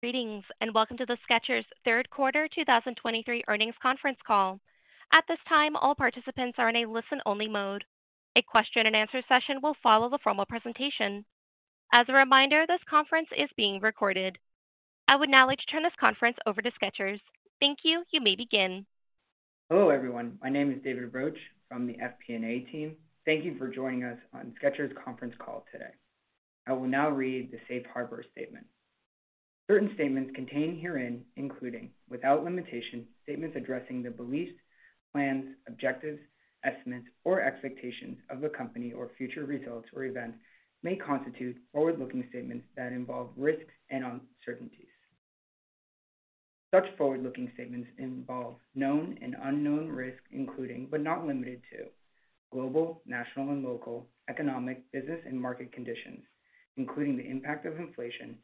Greetings, and welcome to the Skechers' third quarter 2023 earnings conference call. At this time, all participants are in a listen-only mode. A question-and-answer session will follow the formal presentation. As a reminder, this conference is being recorded. I would now like to turn this conference over to Skechers. Thank you. You may begin. Hello, everyone. My name is David Roche from the FP&A team. Thank you for joining us on Skechers conference call today. I will now read the Safe Harbor statement. Certain statements contained herein, including, without limitation, statements addressing the beliefs, plans, objectives, estimates, or expectations of the company or future results or events, may constitute forward-looking statements that involve risks and uncertainties. Such forward-looking statements involve known and unknown risks, including, but not limited to, global, national, and local economic, business, and market conditions, including the impact of inflation,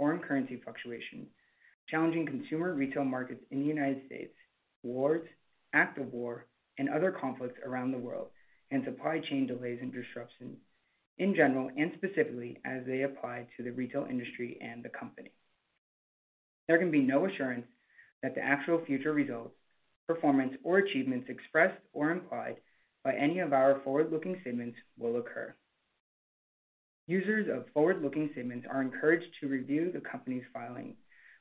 foreign currency fluctuation, challenging consumer retail markets in the United States, wars, active war, and other conflicts around the world, and supply chain delays and disruptions in general, and specifically as they apply to the retail industry and the company. There can be no assurance that the actual future results, performance, or achievements expressed or implied by any of our forward-looking statements will occur. Users of forward-looking statements are encouraged to review the company's filing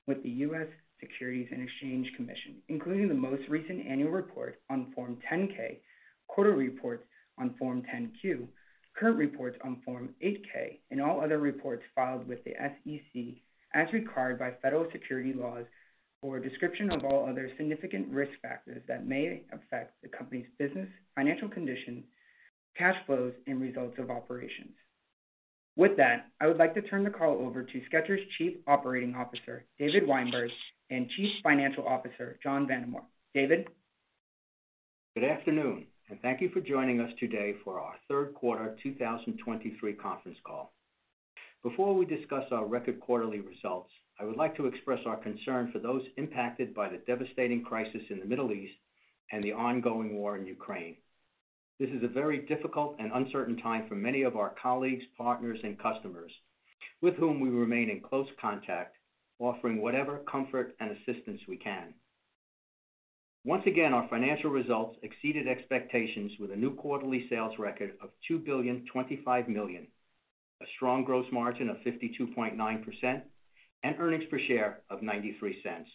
with the U.S. Securities and Exchange Commission, including the most recent annual report on Form 10-K, quarter reports on Form 10-Q, current reports on Form 8-K, and all other reports filed with the SEC as required by federal securities laws for a description of all other significant risk factors that may affect the company's business, financial condition, cash flows, and results of operations. With that, I would like to turn the call over to Skechers' Chief Operating Officer, David Weinberg, and Chief Financial Officer, John Vandemore. David? Good afternoon, and thank you for joining us today for our third quarter 2023 conference call. Before we discuss our record quarterly results, I would like to express our concern for those impacted by the devastating crisis in the Middle East and the ongoing war in Ukraine. This is a very difficult and uncertain time for many of our colleagues, partners, and customers, with whom we remain in close contact, offering whatever comfort and assistance we can. Once again, our financial results exceeded expectations with a new quarterly sales record of $2.025 billion, a strong gross margin of 52.9%, and earnings per share of $0.93.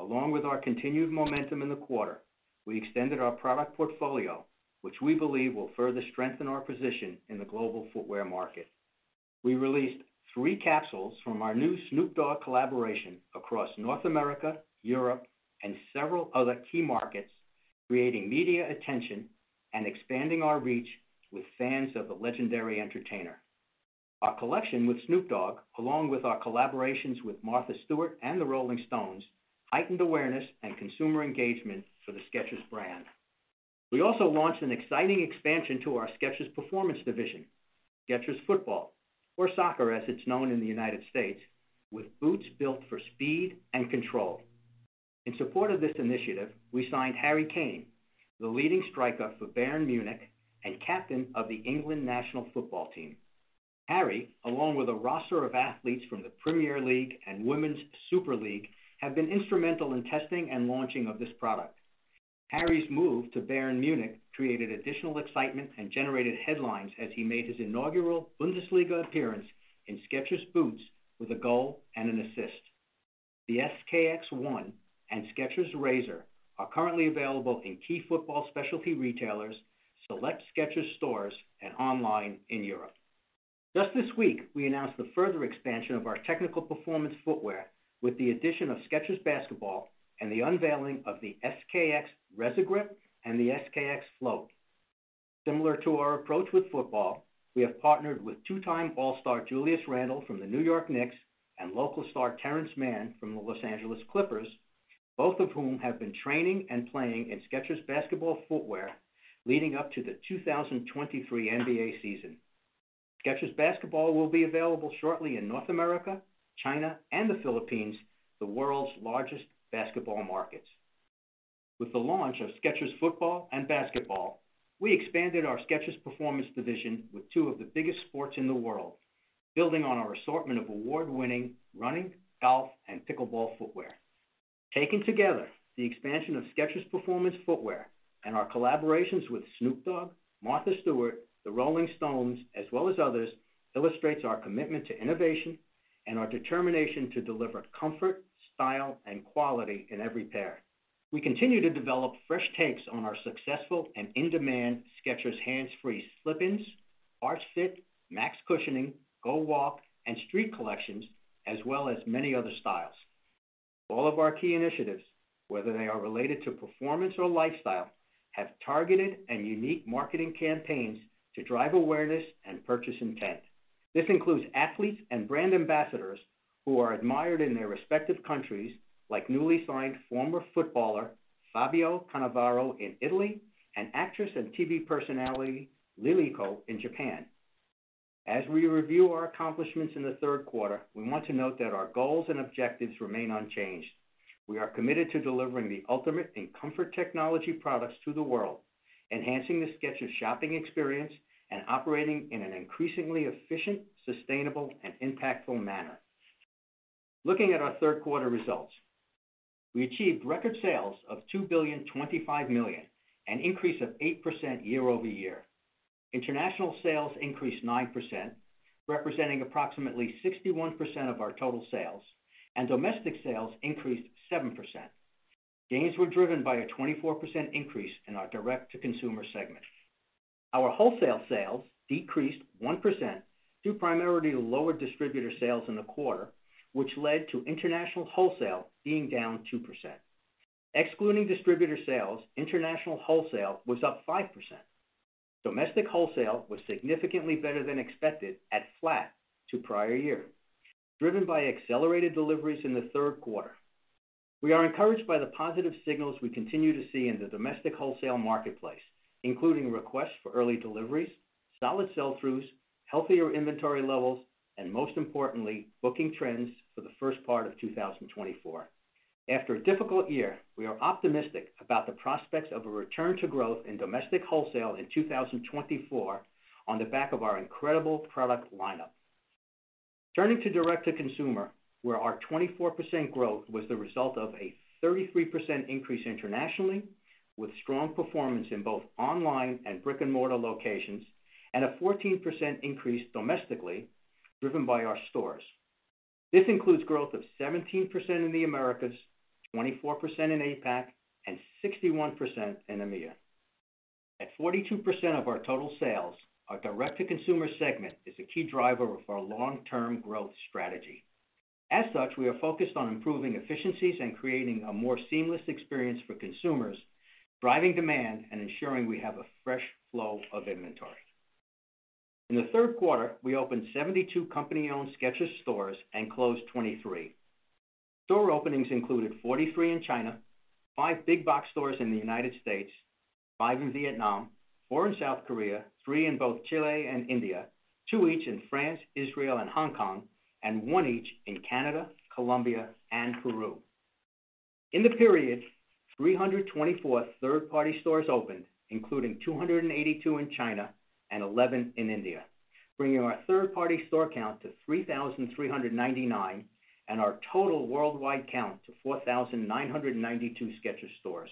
Along with our continued momentum in the quarter, we extended our product portfolio, which we believe will further strengthen our position in the global footwear market. We released three capsules from our new Snoop Dogg collaboration across North America, Europe, and several other key markets, creating media attention and expanding our reach with fans of the legendary entertainer. Our collection with Snoop Dogg, along with our collaborations with Martha Stewart and The Rolling Stones, heightened awareness and consumer engagement for the Skechers brand. We also launched an exciting expansion to our Skechers Performance division, Skechers Football, or soccer, as it's known in the United States, with boots built for speed and control. In support of this initiative, we signed Harry Kane, the leading striker for Bayern Munich and captain of the England National Football Team. Harry, along with a roster of athletes from the Premier League and Women's Super League, have been instrumental in testing and launching of this product. Harry's move to Bayern Munich created additional excitement and generated headlines as he made his inaugural Bundesliga appearance in Skechers boots with a goal and an assist. The SKX_01 and Skechers Razor are currently available in key football specialty retailers, select Skechers stores, and online in Europe. Just this week, we announced a further expansion of our technical performance footwear with the addition of Skechers Basketball and the unveiling of the SKX Resagrip and the SKX Float. Similar to our approach with football, we have partnered with two-time All-Star Julius Randle from the New York Knicks and local star Terance Mann from the Los Angeles Clippers, both of whom have been training and playing in Skechers basketball footwear leading up to the 2023 NBA season. Skechers Basketball will be available shortly in North America, China, and the Philippines, the world's largest basketball markets. With the launch of Skechers Football and Basketball, we expanded our Skechers Performance division with two of the biggest sports in the world, building on our assortment of award-winning running, golf, and pickleball footwear. Taken together, the expansion of Skechers Performance footwear and our collaborations with Snoop Dogg, Martha Stewart, The Rolling Stones, as well as others, illustrates our commitment to innovation and our determination to deliver comfort, style, and quality in every pair. We continue to develop fresh takes on our successful and in-demand Skechers Hands Free Slip-ins, Arch Fit, Max Cushioning, GO WALK, and Street collections, as well as many other styles. All of our key initiatives, whether they are related to performance or lifestyle, have targeted and unique marketing campaigns to drive awareness and purchase intent. This includes athletes and brand ambassadors who are admired in their respective countries, like newly signed former footballer, Fabio Cannavaro in Italy, and actress and TV personality, LiLiCo in Japan. As we review our accomplishments in the third quarter, we want to note that our goals and objectives remain unchanged. We are committed to delivering the ultimate in comfort technology products to the world, enhancing the Skechers shopping experience, and operating in an increasingly efficient, sustainable, and impactful manner. Looking at our third quarter results, we achieved record sales of $2.025 billion, an increase of 8% year-over-year. International sales increased 9%, representing approximately 61% of our total sales, and domestic sales increased 7%. Gains were driven by a 24% increase in our direct-to-consumer segment. Our wholesale sales decreased 1% due primarily to lower distributor sales in the quarter, which led to international wholesale being down 2%. Excluding distributor sales, international wholesale was up 5%. Domestic wholesale was significantly better than expected at flat to prior year, driven by accelerated deliveries in the third quarter. We are encouraged by the positive signals we continue to see in the domestic wholesale marketplace, including requests for early deliveries, solid sell-throughs, healthier inventory levels, and most importantly, booking trends for the first part of 2024. After a difficult year, we are optimistic about the prospects of a return to growth in domestic wholesale in 2024 on the back of our incredible product lineup. Turning to direct-to-consumer, where our 24% growth was the result of a 33% increase internationally, with strong performance in both online and brick-and-mortar locations, and a 14% increase domestically, driven by our stores. This includes growth of 17% in the Americas, 24% in APAC, and 61% in EMEA. At 42% of our total sales, our direct-to-consumer segment is a key driver of our long-term growth strategy. As such, we are focused on improving efficiencies and creating a more seamless experience for consumers, driving demand and ensuring we have a fresh flow of inventory. In the third quarter, we opened 72 company-owned Skechers stores and closed 23. Store openings included 43 in China, five big box stores in the United States, five in Vietnam, four in South Korea, three in both Chile and India, two each in France, Israel, and Hong Kong, and one each in Canada, Colombia, and Peru. In the period, 324 third-party stores opened, including 282 in China and 11 in India, bringing our third-party store count to 3,399, and our total worldwide count to 4,992 Skechers stores.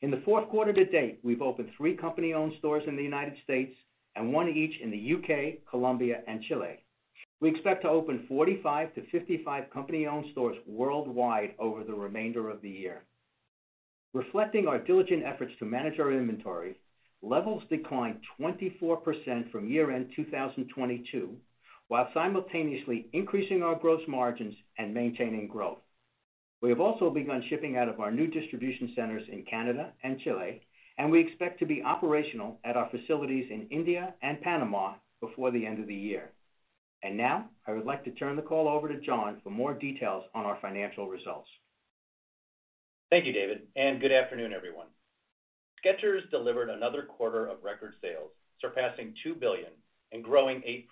In the fourth quarter to date, we've opened three company-owned stores in the United States and one each in the U.K., Colombia, and Chile. We expect to open 45-55 company-owned stores worldwide over the remainder of the year. Reflecting our diligent efforts to manage our inventory, levels declined 24% from year-end 2022, while simultaneously increasing our gross margins and maintaining growth. We have also begun shipping out of our new distribution centers in Canada and Chile, and we expect to be operational at our facilities in India and Panama before the end of the year. And now, I would like to turn the call over to John for more details on our financial results. Thank you, David, and good afternoon, everyone. Skechers delivered another quarter of record sales, surpassing $2 billion and growing 8%,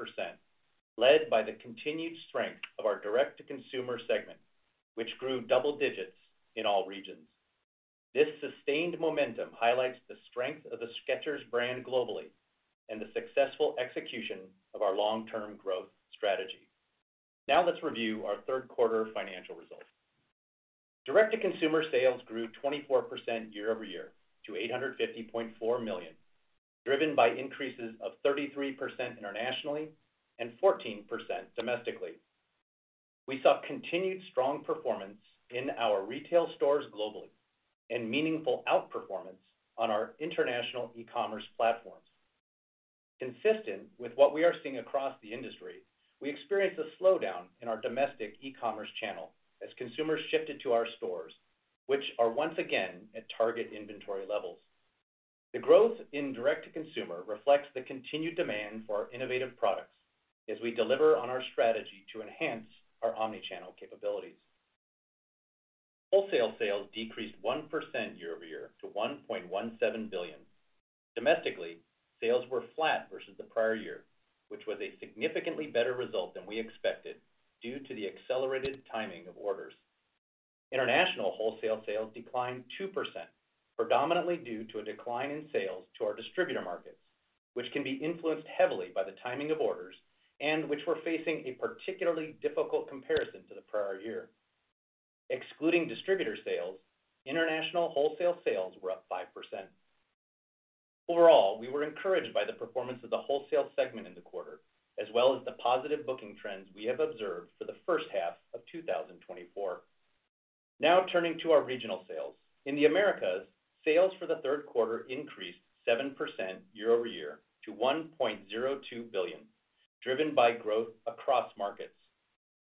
led by the continued strength of our direct-to-consumer segment, which grew double digits in all regions. This sustained momentum highlights the strength of the Skechers brand globally and the successful execution of our long-term growth strategy. Now, let's review our third quarter financial results. Direct-to-consumer sales grew 24% year-over-year to $850.4 million, driven by increases of 33% internationally and 14% domestically. We saw continued strong performance in our retail stores globally and meaningful outperformance on our international e-commerce platforms. Consistent with what we are seeing across the industry, we experienced a slowdown in our domestic e-commerce channel as consumers shifted to our stores, which are once again at target inventory levels. The growth in direct-to-consumer reflects the continued demand for our innovative products as we deliver on our strategy to enhance our omni-channel capabilities. Wholesale sales decreased 1% year-over-year to $1.17 billion. Domestically, sales were flat versus the prior year, which was a significantly better result than we expected due to the accelerated timing of orders. International wholesale sales declined 2%, predominantly due to a decline in sales to our distributor markets, which can be influenced heavily by the timing of orders, and which we're facing a particularly difficult comparison to the prior year. Excluding distributor sales, international wholesale sales were up 5%. Overall, we were encouraged by the performance of the wholesale segment in the quarter, as well as the positive booking trends we have observed for the first half of 2024. Now, turning to our regional sales. In the Americas, sales for the third quarter increased 7% year-over-year to $1.02 billion, driven by growth across markets.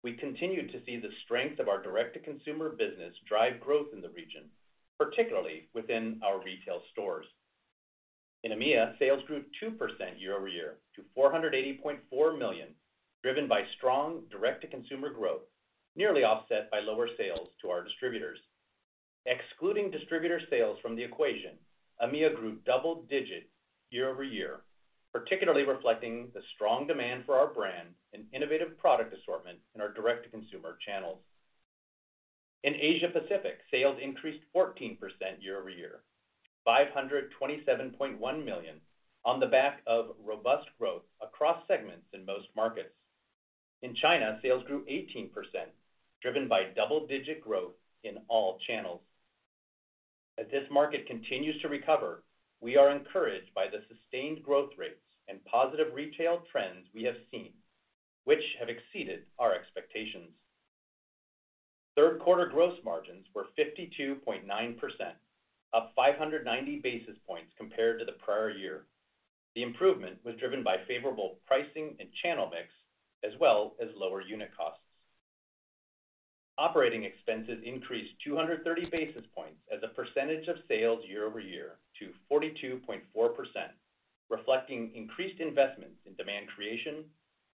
We continued to see the strength of our direct-to-consumer business drive growth in the region, particularly within our retail stores. In EMEA, sales grew 2% year-over-year to $480.4 million, driven by strong direct-to-consumer growth, nearly offset by lower sales to our distributors. Excluding distributor sales from the equation, EMEA grew double-digit year-over-year, particularly reflecting the strong demand for our brand and innovative product assortment in our direct-to-consumer channels. In Asia Pacific, sales increased 14% year-over-year, $527.1 million, on the back of robust growth across segments in most markets. In China, sales grew 18%, driven by double-digit growth in all channels. As this market continues to recover, we are encouraged by the sustained growth rates and positive retail trends we have seen, which have exceeded our expectations. Third quarter gross margins were 52.9%, up 590 basis points compared to the prior year. The improvement was driven by favorable pricing and channel mix, as well as lower unit costs. Operating expenses increased 230 basis points as a percentage of sales year over year to 42.4%, reflecting increased investments in demand creation,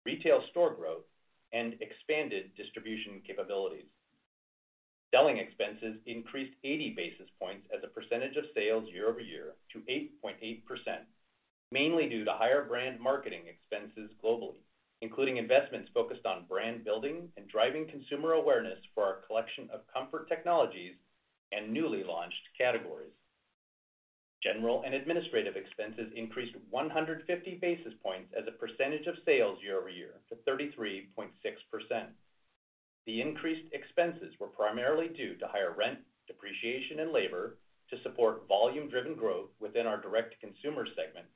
retail store growth, and expanded distribution capabilities. Selling expenses increased 80 basis points as a percentage of sales year over year to 8.8%, mainly due to higher brand marketing expenses globally, including investments focused on brand building and driving consumer awareness for our collection of comfort technologies and newly launched categories. General and administrative expenses increased 150 basis points as a percentage of sales year-over-year to 33.6%. The increased expenses were primarily due to higher rent, depreciation, and labor to support volume-driven growth within our direct-to-consumer segment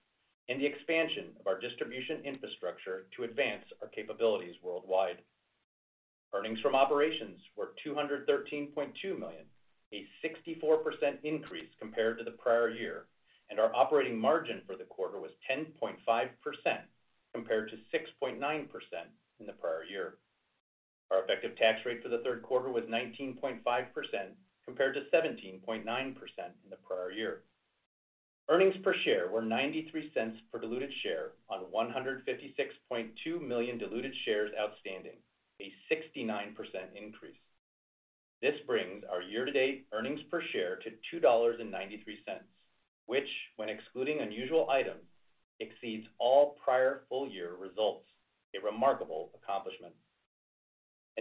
and the expansion of our distribution infrastructure to advance our capabilities worldwide. Earnings from operations were $213.2 million, a 64% increase compared to the prior year, and our operating margin for the quarter was 10.5%, compared to 6.9% in the prior year. Our effective tax rate for the third quarter was 19.5%, compared to 17.9% in the prior year. Earnings per share were $0.93 per diluted share on 156.2 million diluted shares outstanding, a 69% increase. This brings our year-to-date earnings per share to $2.93, which, when excluding unusual items, exceeds all prior full-year results, a remarkable accomplishment.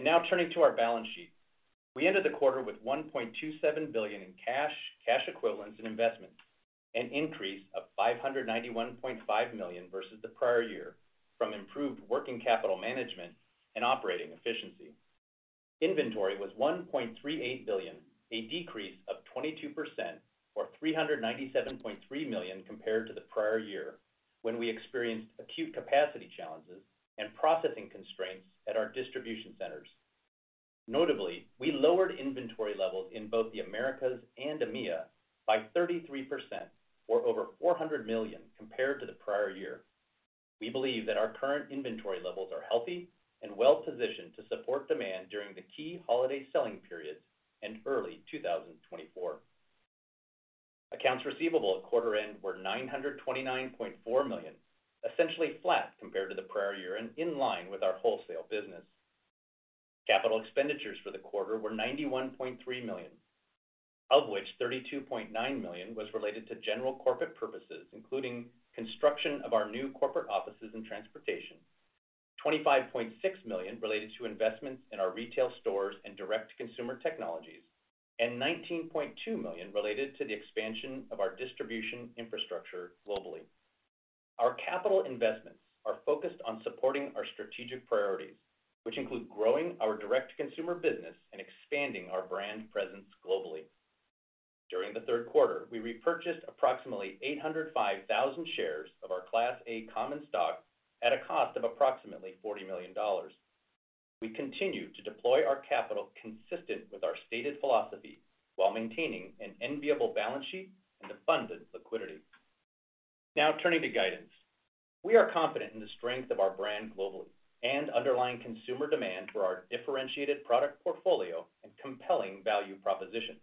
Now turning to our balance sheet. We ended the quarter with $1.27 billion in cash, cash equivalents, and investments, an increase of $591.5 million versus the prior year from improved working capital management and operating efficiency. Inventory was $1.38 billion, a decrease of 22% or $397.3 million compared to the prior year, when we experienced acute capacity challenges and processing constraints at our distribution centers. Notably, we lowered inventory levels in both the Americas and EMEA by 33% or over $400 million compared to the prior year. We believe that our current inventory levels are healthy and well-positioned to support demand during the key holiday selling periods and early 2024. Accounts receivable at quarter end were $929.4 million, essentially flat compared to the prior year and in line with our wholesale business. Capital expenditures for the quarter were $91.3 million, of which $32.9 million was related to general corporate purposes, including construction of our new corporate offices and transportation. $25.6 million related to investments in our retail stores and direct-to-consumer technologies, and $19.2 million related to the expansion of our distribution infrastructure globally. Our capital investments are focused on supporting our strategic priorities, which include growing our direct-to-consumer business and expanding our brand presence globally. During the third quarter, we repurchased approximately 805,000 shares of our Class A common stock at a cost of approximately $40 million. We continue to deploy our capital consistent with our stated philosophy, while maintaining an enviable balance sheet and abundant liquidity. Now, turning to guidance. We are confident in the strength of our brand globally and underlying consumer demand for our differentiated product portfolio and compelling value proposition.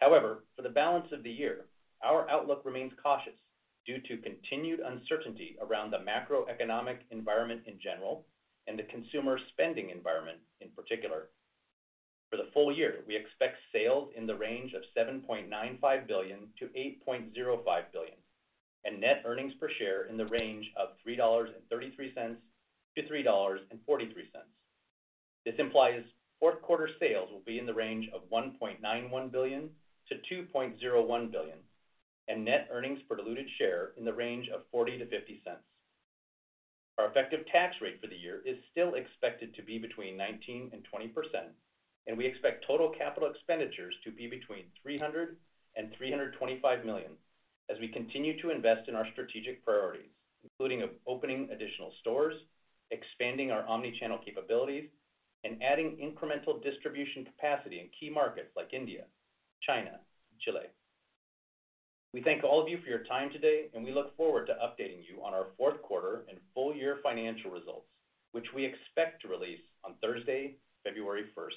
However, for the balance of the year, our outlook remains cautious due to continued uncertainty around the macroeconomic environment in general and the consumer spending environment in particular. For the full year, we expect sales in the range of $7.95 billion-$8.05 billion, and net earnings per share in the range of $3.33-$3.43. This implies fourth quarter sales will be in the range of $1.91 billion to $2.01 billion, and net earnings per diluted share in the range of $0.40-$0.50. Our effective tax rate for the year is still expected to be between 19% and 20%, and we expect total capital expenditures to be between $300 million and $325 million as we continue to invest in our strategic priorities, including opening additional stores, expanding our omni-channel capabilities, and adding incremental distribution capacity in key markets like India, China, Chile. We thank all of you for your time today, and we look forward to updating you on our fourth quarter and full-year financial results, which we expect to release on Thursday, February first.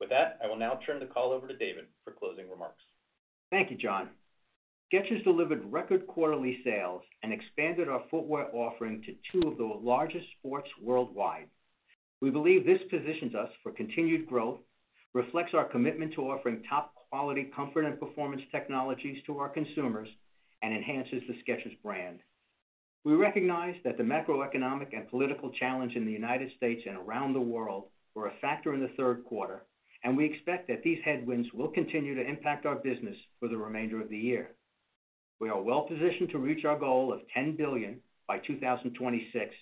With that, I will now turn the call over to David for closing remarks. Thank you, John. Skechers delivered record quarterly sales and expanded our footwear offering to two of the largest sports worldwide.... We believe this positions us for continued growth, reflects our commitment to offering top-quality comfort and performance technologies to our consumers, and enhances the Skechers brand. We recognize that the macroeconomic and political challenge in the United States and around the world were a factor in the third quarter, and we expect that these headwinds will continue to impact our business for the remainder of the year. We are well positioned to reach our goal of $10 billion by 2026,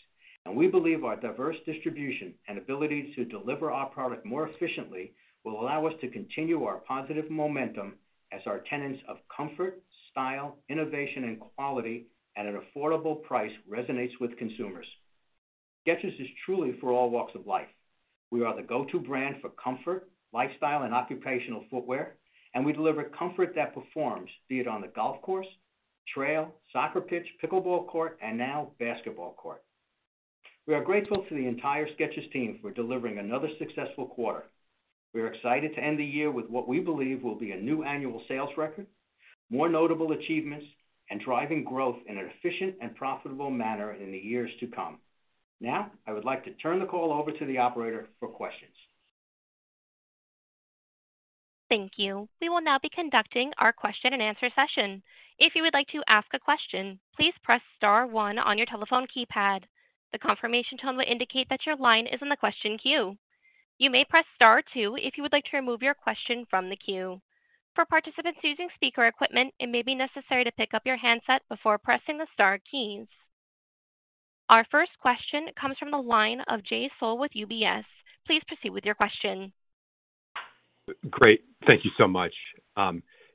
and we believe our diverse distribution and ability to deliver our product more efficiently will allow us to continue our positive momentum as our tenets of comfort, style, innovation, and quality at an affordable price resonates with consumers. Skechers is truly for all walks of life. We are the go-to brand for comfort, lifestyle, and occupational footwear, and we deliver comfort that performs, be it on the golf course, trail, soccer pitch, pickleball court, and now basketball court. We are grateful to the entire Skechers team for delivering another successful quarter. We are excited to end the year with what we believe will be a new annual sales record, more notable achievements, and driving growth in an efficient and profitable manner in the years to come. Now, I would like to turn the call over to the operator for questions. Thank you. We will now be conducting our question-and-answer session. If you would like to ask a question, please press star one on your telephone keypad. The confirmation tone will indicate that your line is in the question queue. You may press star two if you would like to remove your question from the queue. For participants using speaker equipment, it may be necessary to pick up your handset before pressing the star keys. Our first question comes from the line of Jay Sole with UBS. Please proceed with your question. Great. Thank you so much.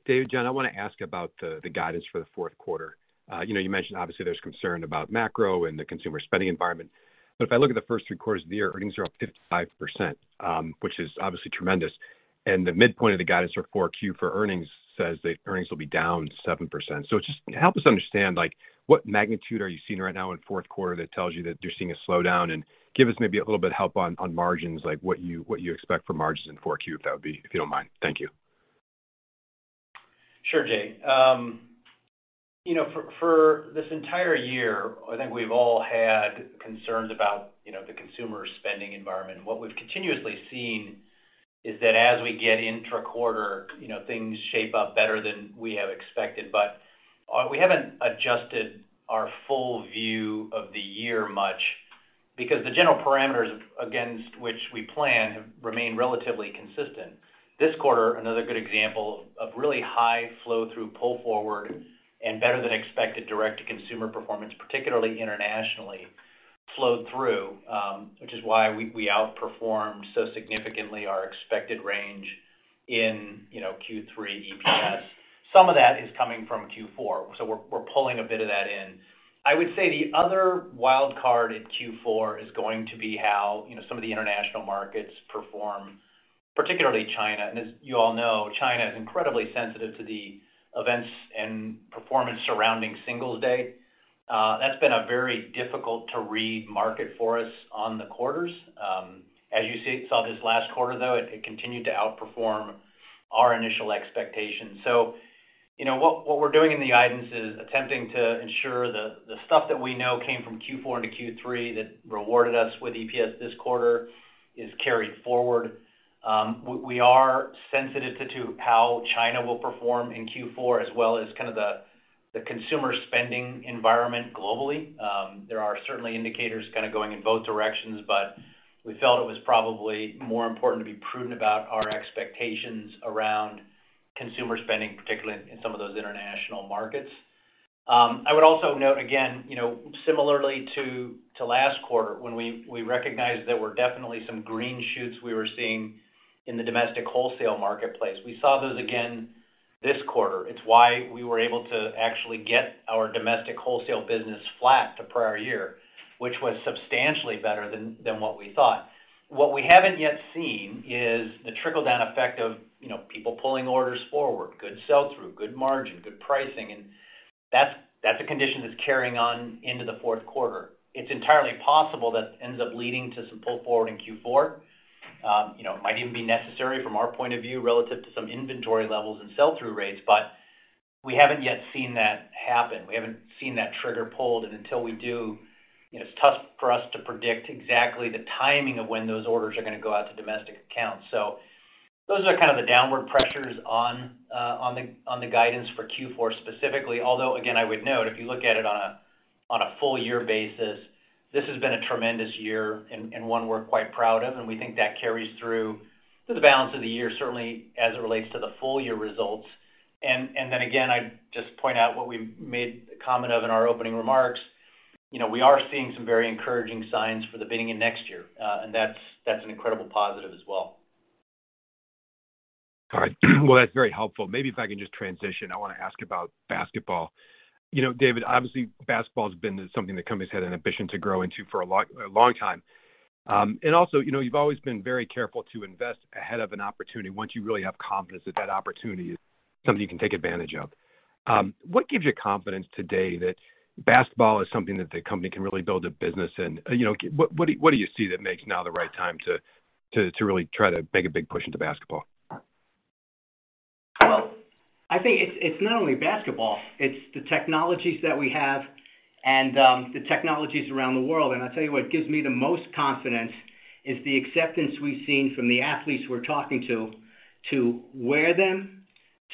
Dave, John, I want to ask about the guidance for the fourth quarter. You know, you mentioned obviously, there's concern about macro and the consumer spending environment, but if I look at the first three quarters of the year, earnings are up 55%, which is obviously tremendous. And the midpoint of the guidance for 4Q for earnings says the earnings will be down 7%. So just help us understand, like, what magnitude are you seeing right now in fourth quarter that tells you that you're seeing a slowdown? And give us maybe a little bit help on margins, like, what you, what you expect for margins in 4Q, if that would be, if you don't mind. Thank you. Sure, Jay. You know, for this entire year, I think we've all had concerns about, you know, the consumer spending environment. What we've continuously seen is that as we get intra-quarter, you know, things shape up better than we have expected. But we haven't adjusted our full view of the year much because the general parameters against which we plan remain relatively consistent. This quarter, another good example of really high flow through pull forward and better than expected direct-to-consumer performance, particularly internationally, flowed through, which is why we outperformed so significantly our expected range in, you know, Q3 EPS. Some of that is coming from Q4, so we're pulling a bit of that in. I would say the other wild card in Q4 is going to be how, you know, some of the international markets perform, particularly China. As you all know, China is incredibly sensitive to the events and performance surrounding Singles Day. That's been a very difficult to read market for us on the quarters. As you saw this last quarter, though, it continued to outperform our initial expectations. So, you know, what we're doing in the guidance is attempting to ensure the stuff that we know came from Q4 into Q3 that rewarded us with EPS this quarter is carried forward. We are sensitive to how China will perform in Q4, as well as kind of the consumer spending environment globally. There are certainly indicators kind of going in both directions, but we felt it was probably more important to be prudent about our expectations around consumer spending, particularly in some of those international markets. I would also note, again, you know, similarly to last quarter, when we recognized there were definitely some green shoots we were seeing in the domestic wholesale marketplace. We saw those again this quarter. It's why we were able to actually get our domestic wholesale business flat to prior year, which was substantially better than what we thought. What we haven't yet seen is the trickle-down effect of, you know, people pulling orders forward, good sell-through, good margin, good pricing, and that's a condition that's carrying on into the fourth quarter. It's entirely possible that ends up leading to some pull forward in Q4. You know, it might even be necessary from our point of view, relative to some inventory levels and sell-through rates, but we haven't yet seen that happen. We haven't seen that trigger pulled, and until we do, you know, it's tough for us to predict exactly the timing of when those orders are going to go out to domestic accounts. So those are kind of the downward pressures on the guidance for Q4 specifically. Although again, I would note, if you look at it on a full year basis, this has been a tremendous year and one we're quite proud of, and we think that carries through to the balance of the year, certainly as it relates to the full year results. And then again, I'd just point out what we made comment of in our opening remarks. You know, we are seeing some very encouraging signs for the beginning of next year, and that's an incredible positive as well. Got it. Well, that's very helpful. Maybe if I can just transition, I want to ask about basketball. You know, David, obviously, basketball has been something the company's had an ambition to grow into for a long, a long time. And also, you know, you've always been very careful to invest ahead of an opportunity once you really have confidence that that opportunity is something you can take advantage of. What gives you confidence today that basketball is something that the company can really build a business in? You know, what, what, what do you see that makes now the right time to, to, to really try to make a big push into basketball?... I think it's not only basketball, it's the technologies that we have and the technologies around the world. And I'll tell you what gives me the most confidence, is the acceptance we've seen from the athletes we're talking to, to wear them,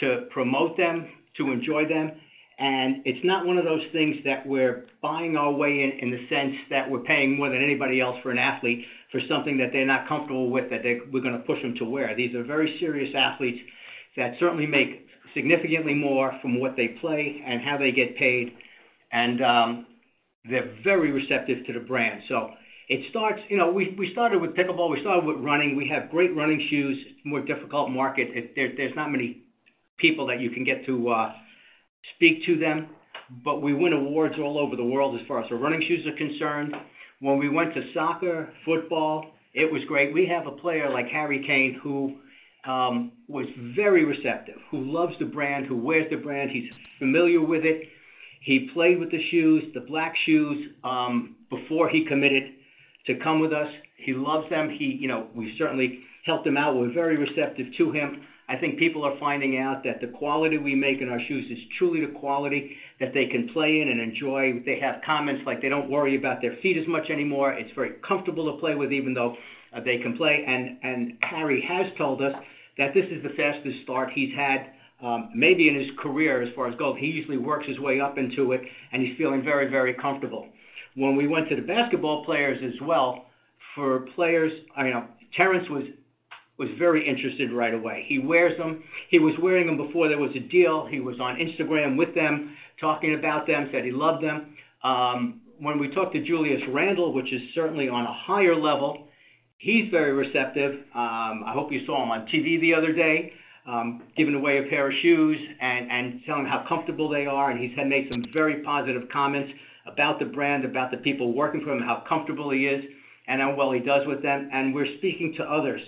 to promote them, to enjoy them. And it's not one of those things that we're buying our way in, in the sense that we're paying more than anybody else for an athlete, for something that they're not comfortable with, that we're gonna push them to wear. These are very serious athletes that certainly make significantly more from what they play and how they get paid, and they're very receptive to the brand. So it starts. You know, we started with pickleball, we started with running. We have great running shoes, more difficult market. There, there's not many people that you can get to, speak to them. But we win awards all over the world as far as our running shoes are concerned. When we went to soccer, football, it was great. We have a player like Harry Kane, who was very receptive, who loves the brand, who wears the brand. He's familiar with it. He played with the shoes, the black shoes, before he committed to come with us. He loves them. He, you know, we certainly helped him out. We're very receptive to him. I think people are finding out that the quality we make in our shoes is truly the quality that they can play in and enjoy. They have comments like, they don't worry about their feet as much anymore. It's very comfortable to play with, even though they can play. Harry has told us that this is the fastest start he's had, maybe in his career as far as golf. He usually works his way up into it, and he's feeling very, very comfortable. When we went to the basketball players as well, for players, I know Terance was very interested right away. He wears them. He was wearing them before there was a deal. He was on Instagram with them, talking about them, said he loved them. When we talked to Julius Randle, which is certainly on a higher level, he's very receptive. I hope you saw him on TV the other day, giving away a pair of shoes and telling how comfortable they are. He's had made some very positive comments about the brand, about the people working for him, how comfortable he is and how well he does with them, and we're speaking to others.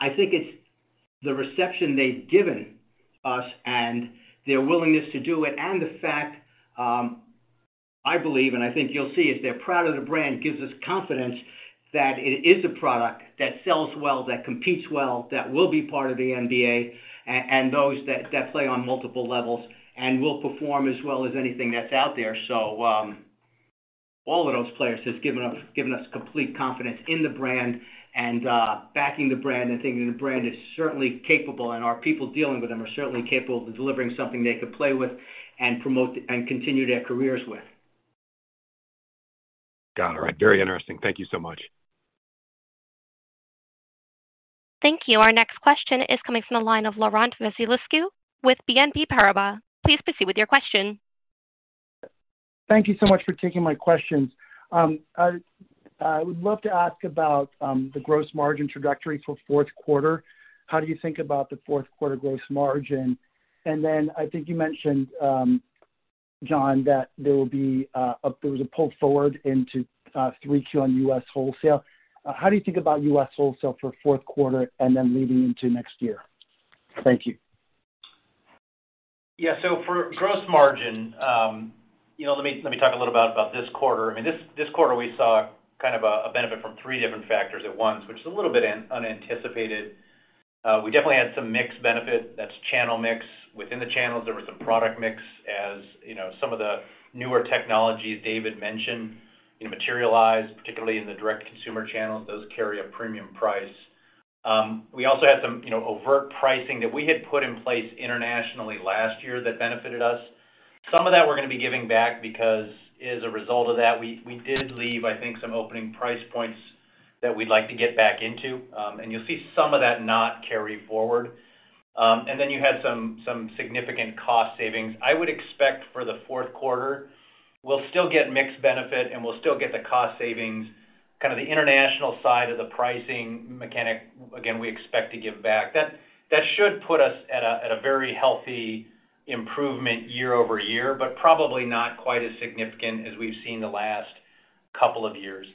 I think it's the reception they've given us and their willingness to do it, and the fact, I believe, and I think you'll see, is they're proud of the brand, gives us confidence that it is a product that sells well, that competes well, that will be part of the NBA, and those that, that play on multiple levels and will perform as well as anything that's out there. All of those players has given us complete confidence in the brand and backing the brand and thinking the brand is certainly capable, and our people dealing with them are certainly capable of delivering something they could play with and promote, and continue their careers with. Got it. All right, very interesting. Thank you so much. Thank you. Our next question is coming from the line of Laurent Vasilescu with BNP Paribas. Please proceed with your question. Thank you so much for taking my questions. I would love to ask about the gross margin trajectory for fourth quarter. How do you think about the fourth quarter gross margin? And then I think you mentioned, John, that there was a pull forward into 3Q on U.S. wholesale. How do you think about U.S. wholesale for fourth quarter and then leading into next year? Thank you. Yeah. So for Gross Margin, you know, let me talk a little about this quarter. I mean, this quarter, we saw kind of a benefit from three different factors at once, which is a little bit unanticipated. We definitely had some mix benefit. That's channel mix. Within the channels, there was some product mix, as you know, some of the newer technologies David mentioned, you know, materialized, particularly in the Direct-to-Consumer channels. Those carry a premium price. We also had some, you know, overt pricing that we had put in place internationally last year that benefited us. Some of that we're going to be giving back because as a result of that, we did leave, I think, some opening price points that we'd like to get back into. And you'll see some of that not carry forward. And then you had some significant cost savings. I would expect for the fourth quarter, we'll still get mix benefit, and we'll still get the cost savings, kind of the international side of the pricing mechanic. Again, we expect to give back. That should put us at a very healthy improvement year-over-year, but probably not quite as significant as we've seen in the last couple of years.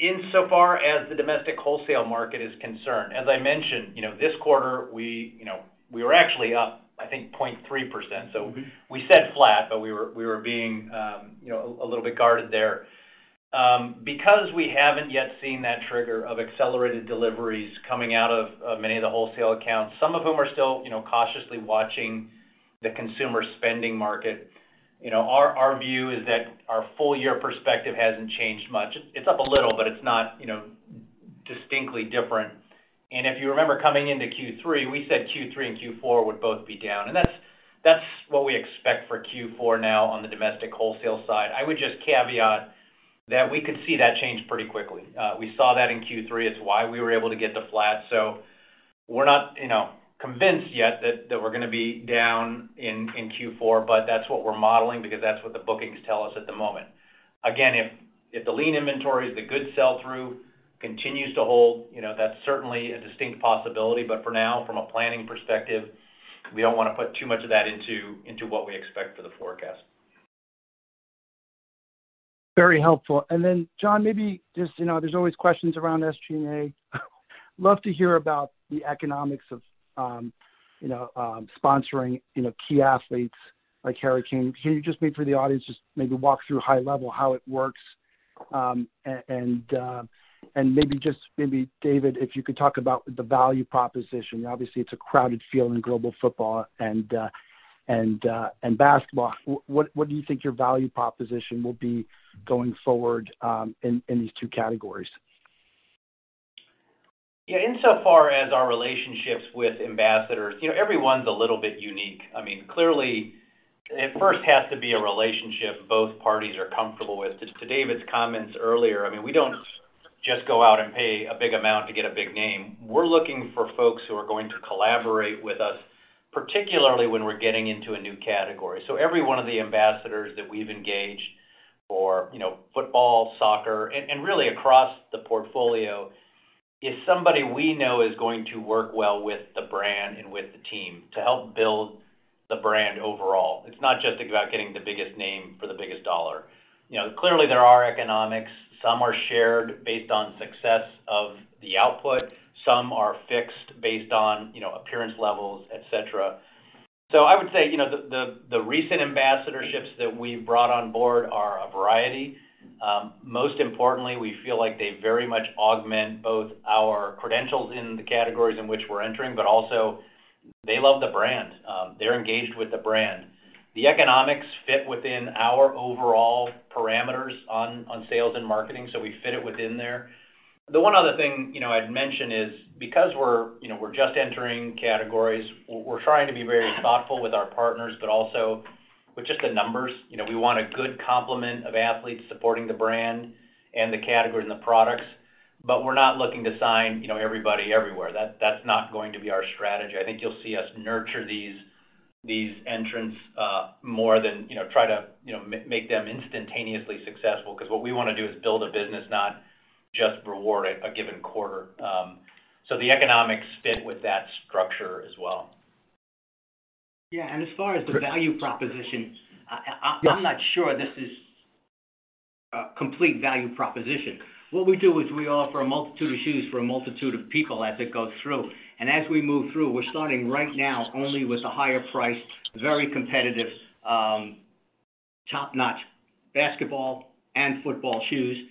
Insofar as the domestic wholesale market is concerned, as I mentioned, you know, this quarter, we, you know, we were actually up, I think, 0.3%. So we said flat, but we were, we were being, you know, a little bit guarded there. Because we haven't yet seen that trigger of accelerated deliveries coming out of many of the wholesale accounts, some of whom are still, you know, cautiously watching the consumer spending market, you know, our view is that our full year perspective hasn't changed much. It's up a little, but it's not, you know, distinctly different. And if you remember, coming into Q3, we said Q3 and Q4 would both be down, and that's what we expect for Q4 now on the domestic wholesale side. I would just caveat that we could see that change pretty quickly. We saw that in Q3. It's why we were able to get to flat. So we're not, you know, convinced yet that we're going to be down in Q4, but that's what we're modeling because that's what the bookings tell us at the moment. Again, if the lean inventory, the good sell-through continues to hold, you know, that's certainly a distinct possibility, but for now, from a planning perspective, we don't want to put too much of that into what we expect for the forecast. Very helpful. And then, John, maybe just, you know, there's always questions around SG&A. Love to hear about the economics of, you know, sponsoring, you know, key athletes like Harry Kane. Can you just maybe for the audience, just maybe walk through high level, how it works? And maybe just maybe, David, if you could talk about the value proposition. Obviously, it's a crowded field in global football and basketball. What do you think your value proposition will be going forward, in these two categories? Yeah, insofar as our relationships with ambassadors, you know, everyone's a little bit unique. I mean, clearly, it first has to be a relationship both parties are comfortable with. Just to David's comments earlier, I mean, we don't just go out and pay a big amount to get a big name. We're looking for folks who are going to collaborate with us, particularly when we're getting into a new category. So every one of the ambassadors that we've engaged for, you know, football, soccer, and, and really across the portfolio, is somebody we know is going to work well with the brand and with the team to help build the brand overall. It's not just about getting the biggest name for the biggest dollar. You know, clearly, there are economics. Some are shared based on success of the output, some are fixed based on, you know, appearance levels, et cetera. So I would say, you know, the recent ambassadorships that we've brought on board are a variety. Most importantly, we feel like they very much augment both our credentials in the categories in which we're entering, but also they love the brand. They're engaged with the brand. The economics fit within our overall parameters on sales and marketing, so we fit it within there. The one other thing, you know, I'd mention is, because we're, you know, just entering categories, we're trying to be very thoughtful with our partners, but also with just the numbers. You know, we want a good complement of athletes supporting the brand and the categories and the products, but we're not looking to sign, you know, everybody everywhere. That's not going to be our strategy. I think you'll see us nurture these, these entrants more than, you know, try to, you know, make them instantaneously successful, because what we want to do is build a business, not just reward a, a given quarter. So the economics fit with that structure as well. Yeah, and as far as the value proposition, I'm not sure this is a complete value proposition. What we do is we offer a multitude of shoes for a multitude of people as it goes through. And as we move through, we're starting right now only with a higher price, very competitive, top-notch basketball and football shoes.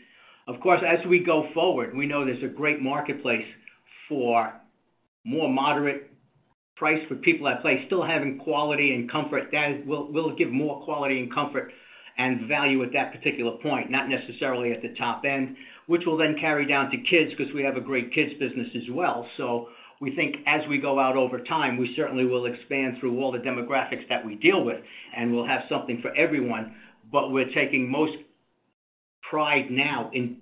Of course, as we go forward, we know there's a great marketplace for more moderate price, for people that play, still having quality and comfort. That will give more quality and comfort and value at that particular point, not necessarily at the top end, which will then carry down to kids because we have a great kids business as well. So we think as we go out over time, we certainly will expand through all the demographics that we deal with, and we'll have something for everyone. But we're taking most pride now in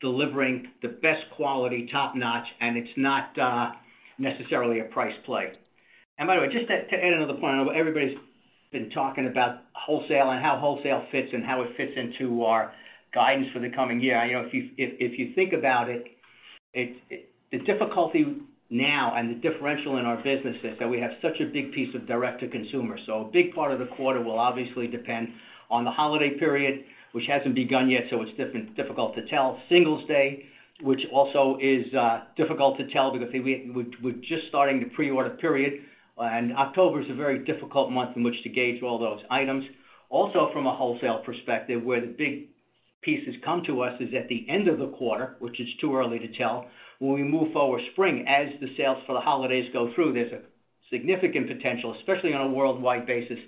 delivering the best quality, top-notch, and it's not necessarily a price play. And by the way, just to add another point, everybody's been talking about wholesale and how wholesale fits and how it fits into our guidance for the coming year. You know, if you think about it, it's the difficulty now and the differential in our business is that we have such a big piece of direct-to-consumer. So a big part of the quarter will obviously depend on the holiday period, which hasn't begun yet, so it's difficult to tell. Singles' Day, which also is difficult to tell because we're just starting the pre-order period, and October is a very difficult month in which to gauge all those items. Also, from a wholesale perspective, where the big pieces come to us is at the end of the quarter, which is too early to tell. When we move forward, spring, as the sales for the holidays go through, there's a significant potential, especially on a worldwide basis,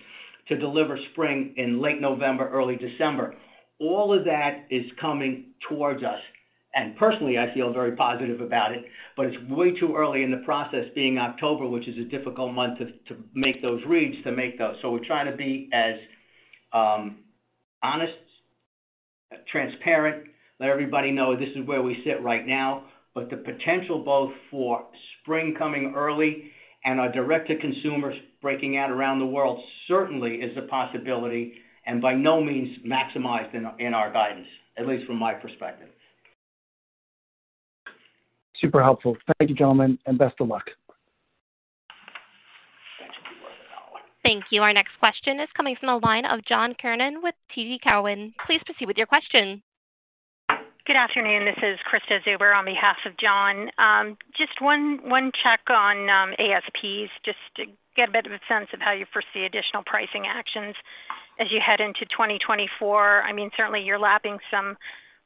to deliver spring in late November, early December. All of that is coming towards us, and personally, I feel very positive about it, but it's way too early in the process, being October, which is a difficult month to make those reads, to make those. So we're trying to be as honest, transparent, let everybody know this is where we sit right now, but the potential both for spring coming early and our direct-to-consumer breaking out around the world certainly is a possibility, and by no means maximized in our guidance, at least from my perspective. Super helpful. Thank you, gentlemen, and best of luck. Thank you. Thank you. Our next question is coming from the line of John Kernan with TD Cowen. Please proceed with your question. Good afternoon. This is Krista Zuber, on behalf of John. Just one check on ASPs, just to get a bit of a sense of how you foresee additional pricing actions as you head into 2024. I mean, certainly you're lapping some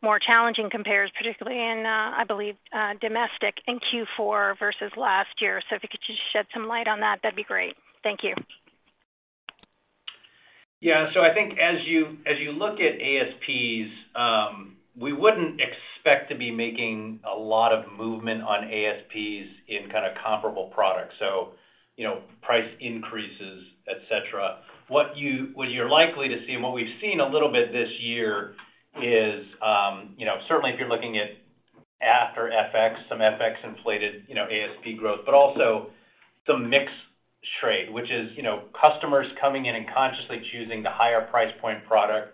more challenging compares, particularly in, I believe, domestic in Q4 versus last year. So if you could just shed some light on that, that'd be great. Thank you. Yeah. So I think as you look at ASPs, we wouldn't expect to be making a lot of movement on ASPs in kind of comparable products, so you know, price increases, et cetera. What you're likely to see and what we've seen a little bit this year is, you know, certainly if you're looking at after FX, some FX-inflated, you know, ASP growth, but also some mix trade, which is, you know, customers coming in and consciously choosing the higher price point product,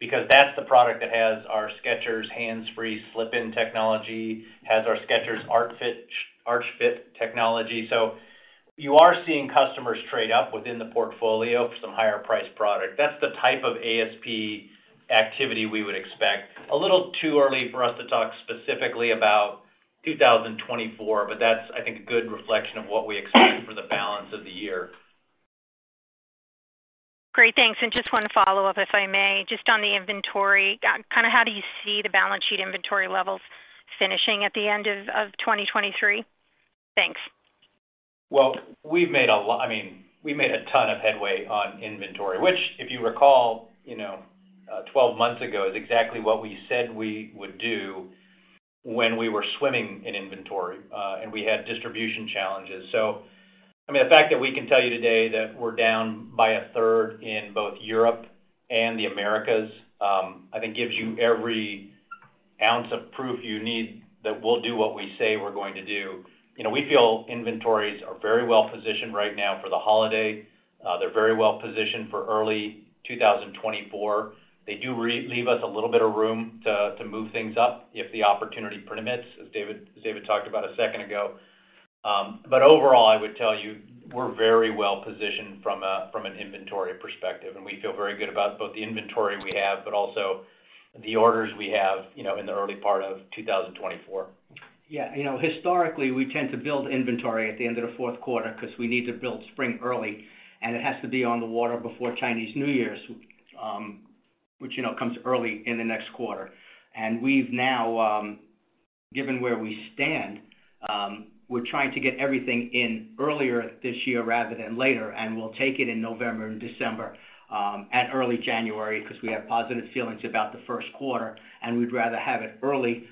because that's the product that has our Skechers Hands Free Slip-ins technology, has our Skechers Arch Fit technology. So you are seeing customers trade up within the portfolio for some higher priced product. That's the type of ASP activity we would expect. A little too early for us to talk specifically about 2024, but that's, I think, a good reflection of what we expect for the balance of the year. Great, thanks. Just one follow-up, if I may. Just on the inventory, kind of how do you see the balance sheet inventory levels finishing at the end of 2023? Thanks. Well, we've made a lot, I mean, we made a ton of headway on inventory, which, if you recall, you know, 12 months ago, is exactly what we said we would do when we were swimming in inventory, and we had distribution challenges. So, I mean, the fact that we can tell you today that we're down by a third in both Europe and the Americas, I think gives you every ounce of proof you need that we'll do what we say we're going to do. You know, we feel inventories are very well positioned right now for the holiday. They're very well positioned for early 2024. They do leave us a little bit of room to move things up if the opportunity permits, as David talked about a second ago. But overall, I would tell you, we're very well positioned from an inventory perspective, and we feel very good about both the inventory we have, but also the orders we have, you know, in the early part of 2024. Yeah. You know, historically, we tend to build inventory at the end of the fourth quarter because we need to build spring early, and it has to be on the water before Chinese New Year's, which, you know, comes early in the next quarter. We've now, given where we stand, we're trying to get everything in earlier this year rather than later, and we'll take it in November and December, and early January because we have positive feelings about the first quarter, and we'd rather have it early,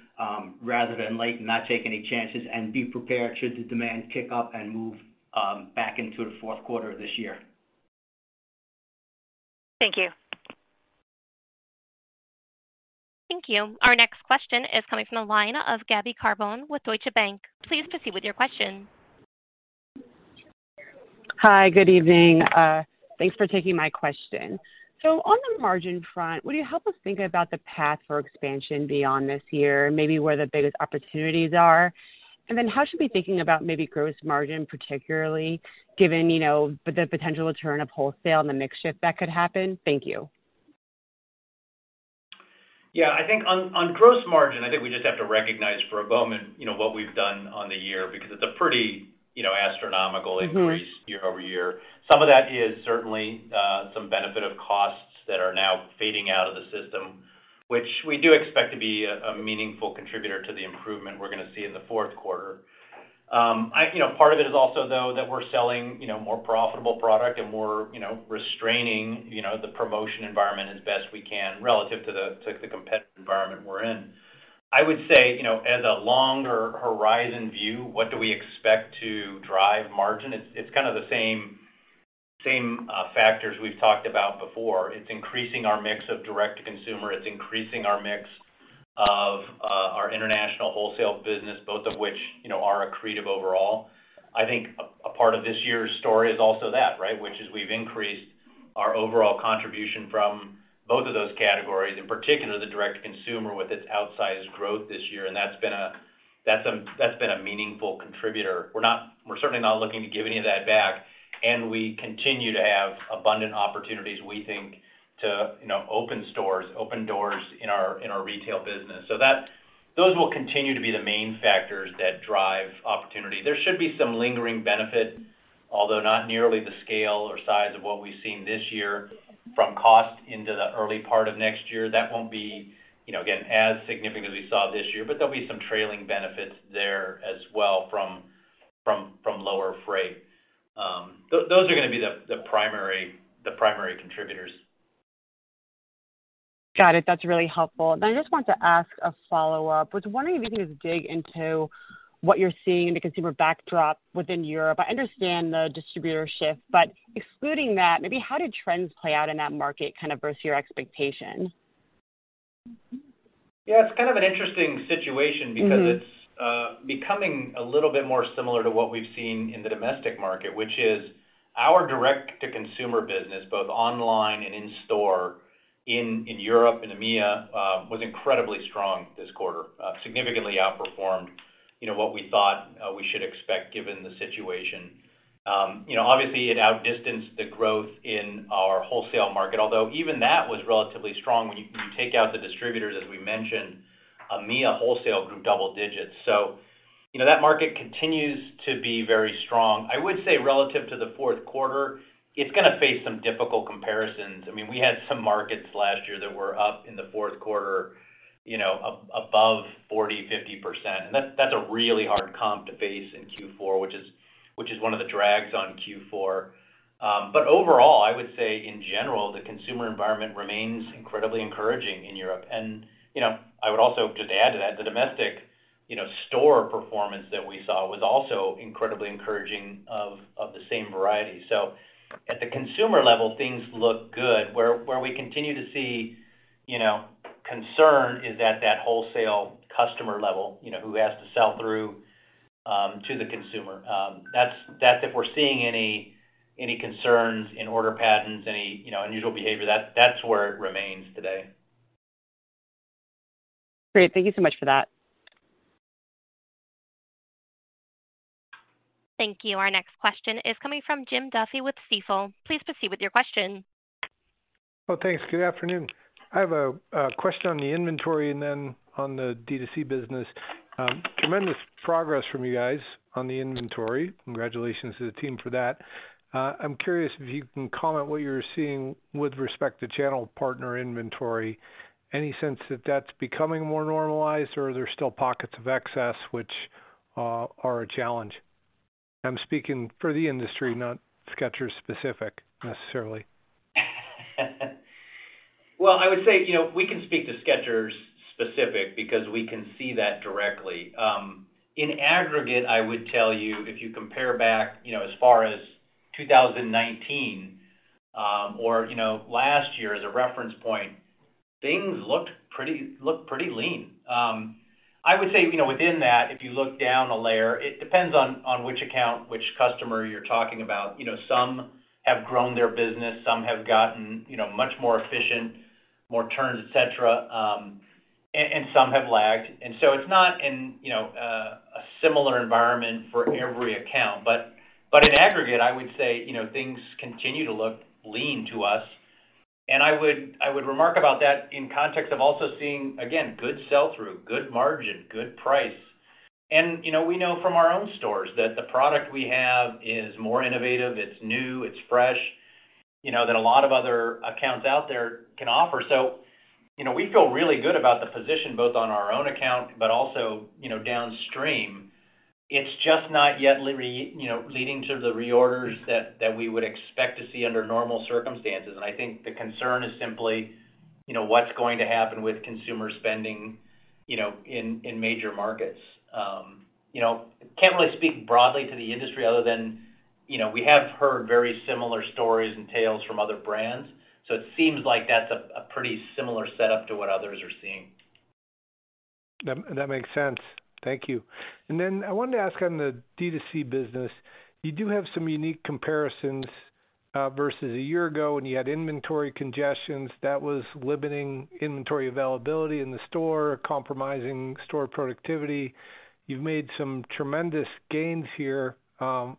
rather than late and not take any chances and be prepared should the demand kick up and move, back into the fourth quarter of this year. Thank you. Thank you. Our next question is coming from the line of Gabby Carbone with Deutsche Bank. Please proceed with your question. Hi, good evening. Thanks for taking my question. So on the margin front, would you help us think about the path for expansion beyond this year, maybe where the biggest opportunities are? And then how should we be thinking about maybe gross margin, particularly given, you know, the potential return of wholesale and the mix shift that could happen? Thank you. Yeah, I think on gross margin, I think we just have to recognize for a moment, you know, what we've done on the year because it's a pretty, you know, astronomical- Mm-hmm. increase year over year. Some of that is certainly, some benefit of costs that are now fading out of the system, which we do expect to be a meaningful contributor to the improvement we're gonna see in the fourth quarter. You know, part of it is also, though, that we're selling, you know, more profitable product and more, you know, restraining, you know, the promotion environment as best we can, relative to the, to the competitive environment we're in. I would say, you know, as a longer horizon view, what do we expect to drive margin? It's, it's kind of the same, same factors we've talked about before. It's increasing our mix of direct to consumer. It's increasing our mix of, our international wholesale business, both of which, you know, are accretive overall. I think a part of this year's story is also that, right? Which is we've increased our overall contribution from both of those categories, in particular, the direct consumer, with its outsized growth this year, and that's been a meaningful contributor. We're certainly not looking to give any of that back, and we continue to have abundant opportunities, we think, to, you know, open stores, open doors in our, in our retail business. So those will continue to be the main factors that drive opportunity. There should be some lingering benefit, although not nearly the scale or size of what we've seen this year from cost into the early part of next year. That won't be, you know, again, as significant as we saw this year, but there'll be some trailing benefits there as well from lower freight. Those are gonna be the primary contributors. Got it. That's really helpful. I just wanted to ask a follow-up. I was wondering if you can just dig into what you're seeing in the consumer backdrop within Europe. I understand the distributor shift, but excluding that, maybe how do trends play out in that market, kind of versus your expectations? Yeah, it's kind of an interesting situation- Mm-hmm. Because it's becoming a little bit more similar to what we've seen in the domestic market, which is our direct-to-consumer business, both online and in store, in Europe and EMEA, was incredibly strong this quarter. Significantly outperformed, you know, what we thought we should expect given the situation. You know, obviously, it outdistanced the growth in our wholesale market, although even that was relatively strong. When you take out the distributors, as we mentioned, EMEA wholesale grew double digits. So, you know, that market continues to be very strong. I would say relative to the fourth quarter, it's gonna face some difficult comparisons. I mean, we had some markets last year that were up in the fourth quarter, you know, above 40, 50%. That's a really hard comp to face in Q4, which is one of the drags on Q4. I would say in general, the consumer environment remains incredibly encouraging in Europe. You know, I would also just add to that, the domestic, you know, store performance that we saw was also incredibly encouraging of the same variety. At the consumer level, things look good. Where we continue to see, you know, concern is at that wholesale customer level, you know, who has to sell through to the consumer. That's if we're seeing any concerns in order patterns, any, you know, unusual behavior, that's where it remains today. Great. Thank you so much for that. Thank you. Our next question is coming from Jim Duffy with Stifel. Please proceed with your question. Well, thanks. Good afternoon. I have a question on the inventory and then on the D2C business. Tremendous progress from you guys on the inventory. Congratulations to the team for that. I'm curious if you can comment what you're seeing with respect to channel partner inventory. Any sense that that's becoming more normalized, or are there still pockets of excess which are a challenge? I'm speaking for the industry, not Skechers specific, necessarily. Well, I would say, you know, we can speak to Skechers specifically because we can see that directly. In aggregate, I would tell you, if you compare back, you know, as far as 2019, or, you know, last year as a reference point, things looked pretty lean. I would say, you know, within that, if you look down a layer, it depends on which account, which customer you're talking about. You know, some have grown their business, some have gotten, you know, much more efficient, more turns, et cetera, and some have lagged. And so it's not in, you know, a similar environment for every account. But in aggregate, I would say, you know, things continue to look lean to us. I would remark about that in context of also seeing, again, good sell-through, good margin, good price. And, you know, we know from our own stores that the product we have is more innovative, it's new, it's fresh, you know, than a lot of other accounts out there can offer. So, you know, we feel really good about the position, both on our own account, but also, you know, downstream. It's just not yet leading to the reorders that we would expect to see under normal circumstances. And I think the concern is simply, you know, what's going to happen with consumer spending, you know, in major markets. You know, can't really speak broadly to the industry other than, you know, we have heard very similar stories and tales from other brands, so it seems like that's a pretty similar setup to what others are seeing. That, that makes sense. Thank you. Then I wanted to ask on the D2C business. You do have some unique comparisons versus a year ago when you had inventory congestions that was limiting inventory availability in the store, compromising store productivity. You've made some tremendous gains here,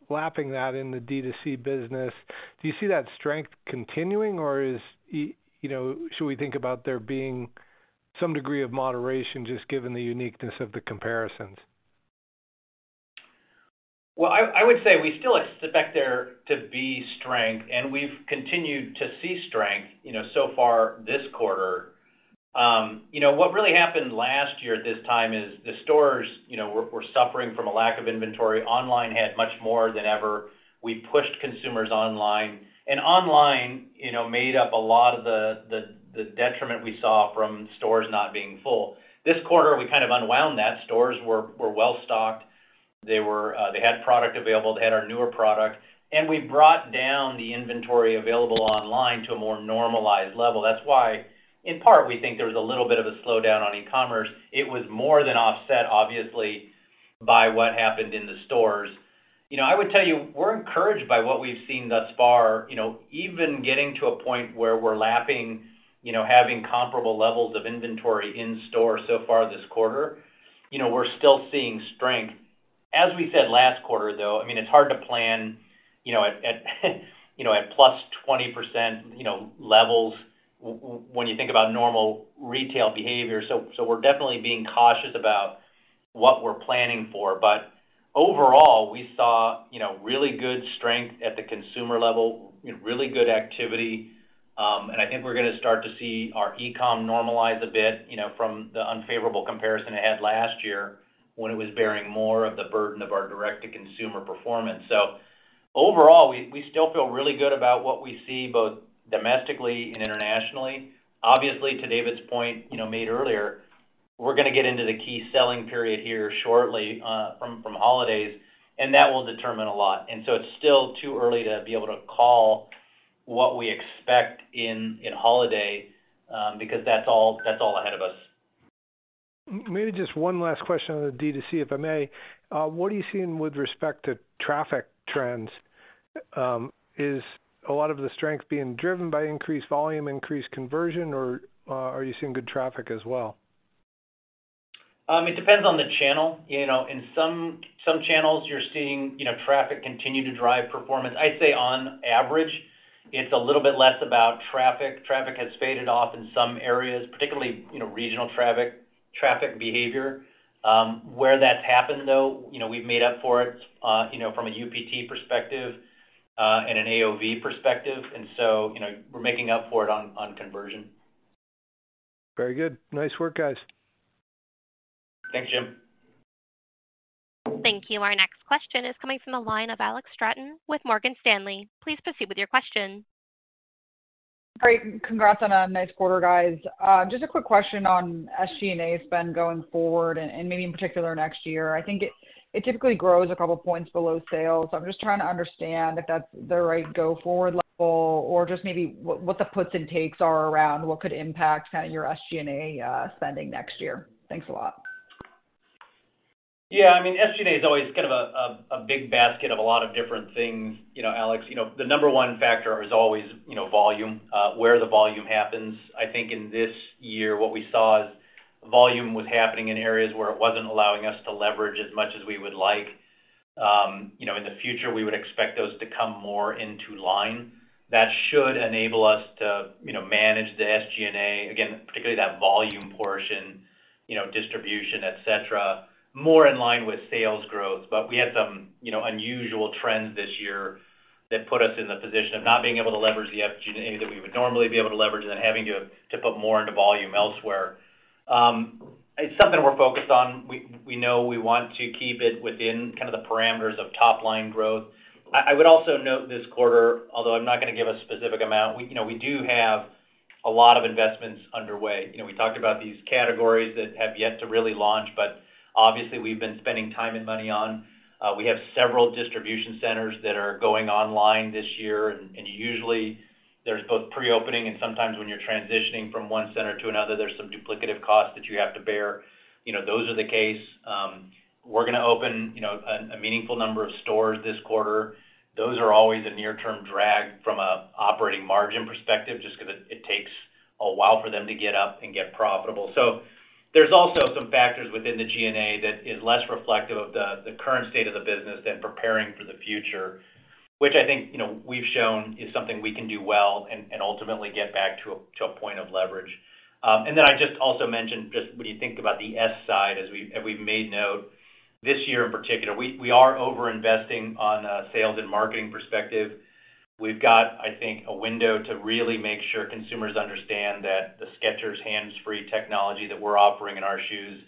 lapping that in the D2C business. Do you see that strength continuing, or is, you know, should we think about there being some degree of moderation, just given the uniqueness of the comparisons? Well, I would say we still expect there to be strength, and we've continued to see strength, you know, so far this quarter. You know, what really happened last year at this time is the stores, you know, were suffering from a lack of inventory. Online had much more than ever. We pushed consumers online, and online, you know, made up a lot of the detriment we saw from stores not being full. This quarter, we kind of unwound that. Stores were well stocked. They had product available, they had our newer product, and we brought down the inventory available online to a more normalized level. That's why, in part, we think there was a little bit of a slowdown on e-commerce. It was more than offset, obviously, by what happened in the stores. You know, I would tell you, we're encouraged by what we've seen thus far. You know, even getting to a point where we're lapping, you know, having comparable levels of inventory in store so far this quarter, you know, we're still seeing strength. As we said last quarter, though, I mean, it's hard to plan, you know, at, you know, at +20%, you know, levels when you think about normal retail behavior. So, we're definitely being cautious about what we're planning for. But overall, we saw, you know, really good strength at the consumer level, really good activity. And I think we're gonna start to see our e-com normalize a bit, you know, from the unfavorable comparison it had last year when it was bearing more of the burden of our direct-to-consumer performance. So overall, we still feel really good about what we see, both domestically and internationally. Obviously, to David's point, you know, made earlier, we're gonna get into the key selling period here shortly, from holidays, and that will determine a lot. So it's still too early to be able to call what we expect in holiday, because that's all ahead of us. Maybe just one last question on the D2C, if I may. What are you seeing with respect to traffic trends? Is a lot of the strength being driven by increased volume, increased conversion, or are you seeing good traffic as well? It depends on the channel. You know, in some channels, you're seeing, you know, traffic continue to drive performance. I'd say on average, it's a little bit less about traffic. Traffic has faded off in some areas, particularly, you know, regional traffic, traffic behavior. Where that's happened, though, you know, we've made up for it, you know, from a UPT perspective, and an AOV perspective. And so, you know, we're making up for it on conversion. Very good. Nice work, guys. Thanks, Jim. Thank you. Our next question is coming from the line ofAlex Straton with Morgan Stanley. Please proceed with your question. Great. Congrats on a nice quarter, guys. Just a quick question on SG&A spend going forward, and maybe in particular next year. I think it typically grows a couple points below sales. I'm just trying to understand if that's the right go-forward level or just maybe what the puts and takes are around what could impact kind of your SG&A spending next year? Thanks a lot. Yeah, I mean, SG&A is always kind of a big basket of a lot of different things. You know, Alex, you know, the number one factor is always, you know, volume, where the volume happens. I think in this year, what we saw is volume was happening in areas where it wasn't allowing us to leverage as much as we would like. You know, in the future, we would expect those to come more into line. That should enable us to, you know, manage the SG&A, again, particularly that volume portion, you know, distribution, et cetera, more in line with sales growth. But we had some, you know, unusual trends this year that put us in the position of not being able to leverage the SG&A that we would normally be able to leverage and then having to put more into volume elsewhere. It's something we're focused on. We know we want to keep it within kind of the parameters of top-line growth. I would also note this quarter, although I'm not gonna give a specific amount, you know, we do have a lot of investments underway. You know, we talked about these categories that have yet to really launch, but obviously, we've been spending time and money on. We have several distribution centers that are going online this year, and usually, there's both pre-opening and sometimes when you're transitioning from one center to another, there's some duplicative costs that you have to bear. You know, those are the case. We're gonna open, you know, a meaningful number of stores this quarter. Those are always a near-term drag from an operating margin perspective, just 'cause it takes a while for them to get up and get profitable. So there's also some factors within the G&A that is less reflective of the current state of the business than preparing for the future, which I think, you know, we've shown is something we can do well and ultimately get back to a point of leverage. And then I just also mentioned, just when you think about the S side, as we've made note, this year, in particular, we are over-investing on a sales and marketing perspective. We've got, I think, a window to really make sure consumers understand that the Skechers Hands-Free technology that we're offering in our shoes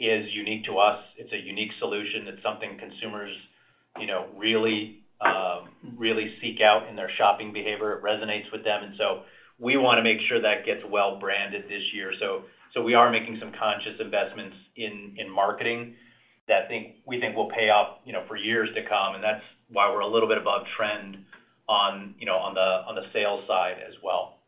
is unique to us. It's a unique solution. It's something consumers, you know, really really seek out in their shopping behavior. It resonates with them, and so we wanna make sure that gets well branded this year. So we are making some conscious investments in marketing that we think will pay off, you know, for years to come, and that's why we're a little bit above trend on, you know, on the sales side as well.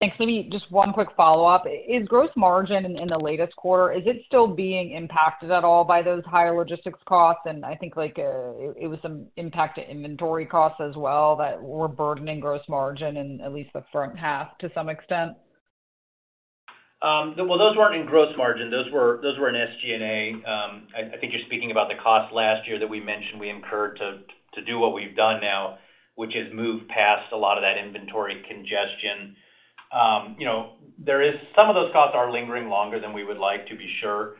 Thanks. Let me... Just one quick follow-up. Is gross margin in the latest quarter still being impacted at all by those higher logistics costs? And I think, like, it was some impact to inventory costs as well, that were burdening gross margin in at least the front half to some extent. Well, those weren't in gross margin. Those were, those were in SG&A. I think you're speaking about the cost last year that we mentioned we incurred to do what we've done now, which is move past a lot of that inventory congestion. You know, there is some of those costs are lingering longer than we would like, to be sure.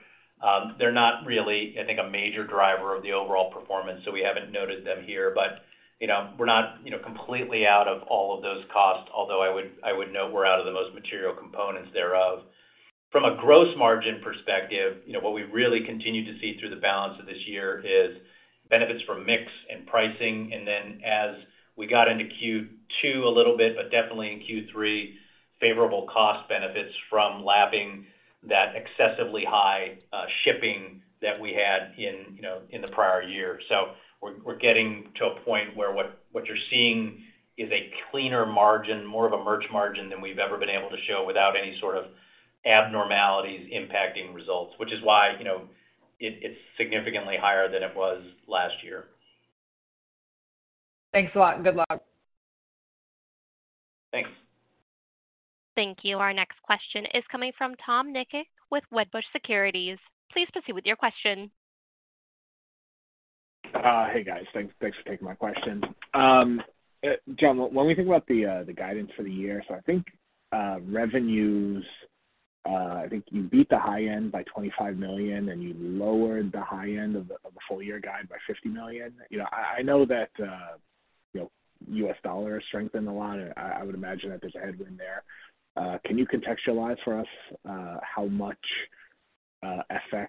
They're not really, I think, a major driver of the overall performance, so we haven't noted them here. But, you know, we're not, you know, completely out of all of those costs, although I would note we're out of the most material components thereof. From a gross margin perspective, you know, what we really continue to see through the balance of this year is benefits from mix and pricing, and then as we got into Q2 a little bit, but definitely in Q3, favorable cost benefits from lapping that excessively high shipping that we had in, you know, in the prior year. So we're getting to a point where what you're seeing is a cleaner margin, more of a merch margin than we've ever been able to show without any sort of abnormalities impacting results, which is why, you know, it, it's significantly higher than it was last year. Thanks a lot, and good luck. Thanks. Thank you. Our next question is coming from Tom Nikic with Wedbush Securities. Please proceed with your question. Hey, guys, thanks, thanks for taking my questions. John, when we think about the, the guidance for the year, so I think, revenues, I think you beat the high end by $25 million, and you lowered the high end of the, of the full year guide by $50 million. You know, I, I know that, you know, US dollar has strengthened a lot. I, I would imagine that there's a headwind there. Can you contextualize for us, how much, FX,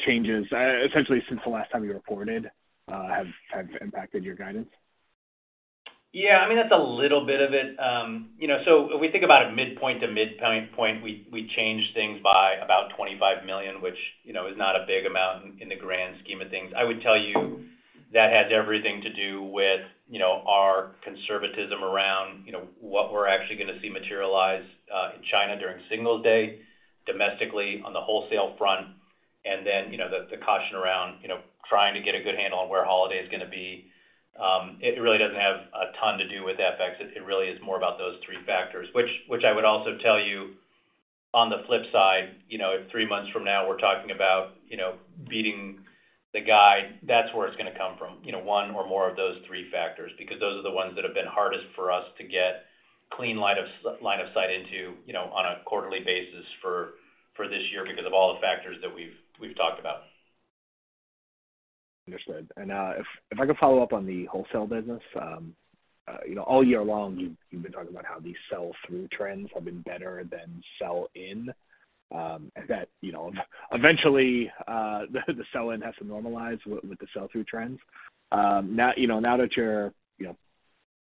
changes, essentially since the last time you reported, have, have impacted your guidance? Yeah, I mean, that's a little bit of it. You know, so if we think about it, midpoint to midpoint point, we, we changed things by about $25 million, which, you know, is not a big amount in, in the grand scheme of things. I would tell you that has everything to do with, you know, our conservatism around, you know, what we're actually gonna see materialize, in China during Singles Day, domestically on the wholesale front, and then, you know, the, the caution around, you know, trying to get a good handle on where holiday is gonna be. It really doesn't have a ton to do with FX. It really is more about those three factors, which I would also tell you, on the flip side, you know, if three months from now we're talking about, you know, beating the guide, that's where it's gonna come from, you know, one or more of those three factors, because those are the ones that have been hardest for us to get clean line of sight into, you know, on a quarterly basis for this year, because of all the factors that we've talked about. Understood. If I could follow up on the wholesale business. You know, all year long, you've been talking about how these sell-through trends have been better than sell-in. And that, you know, eventually, the sell-in has to normalize with the sell-through trends. Now, you know, now that you're, you know,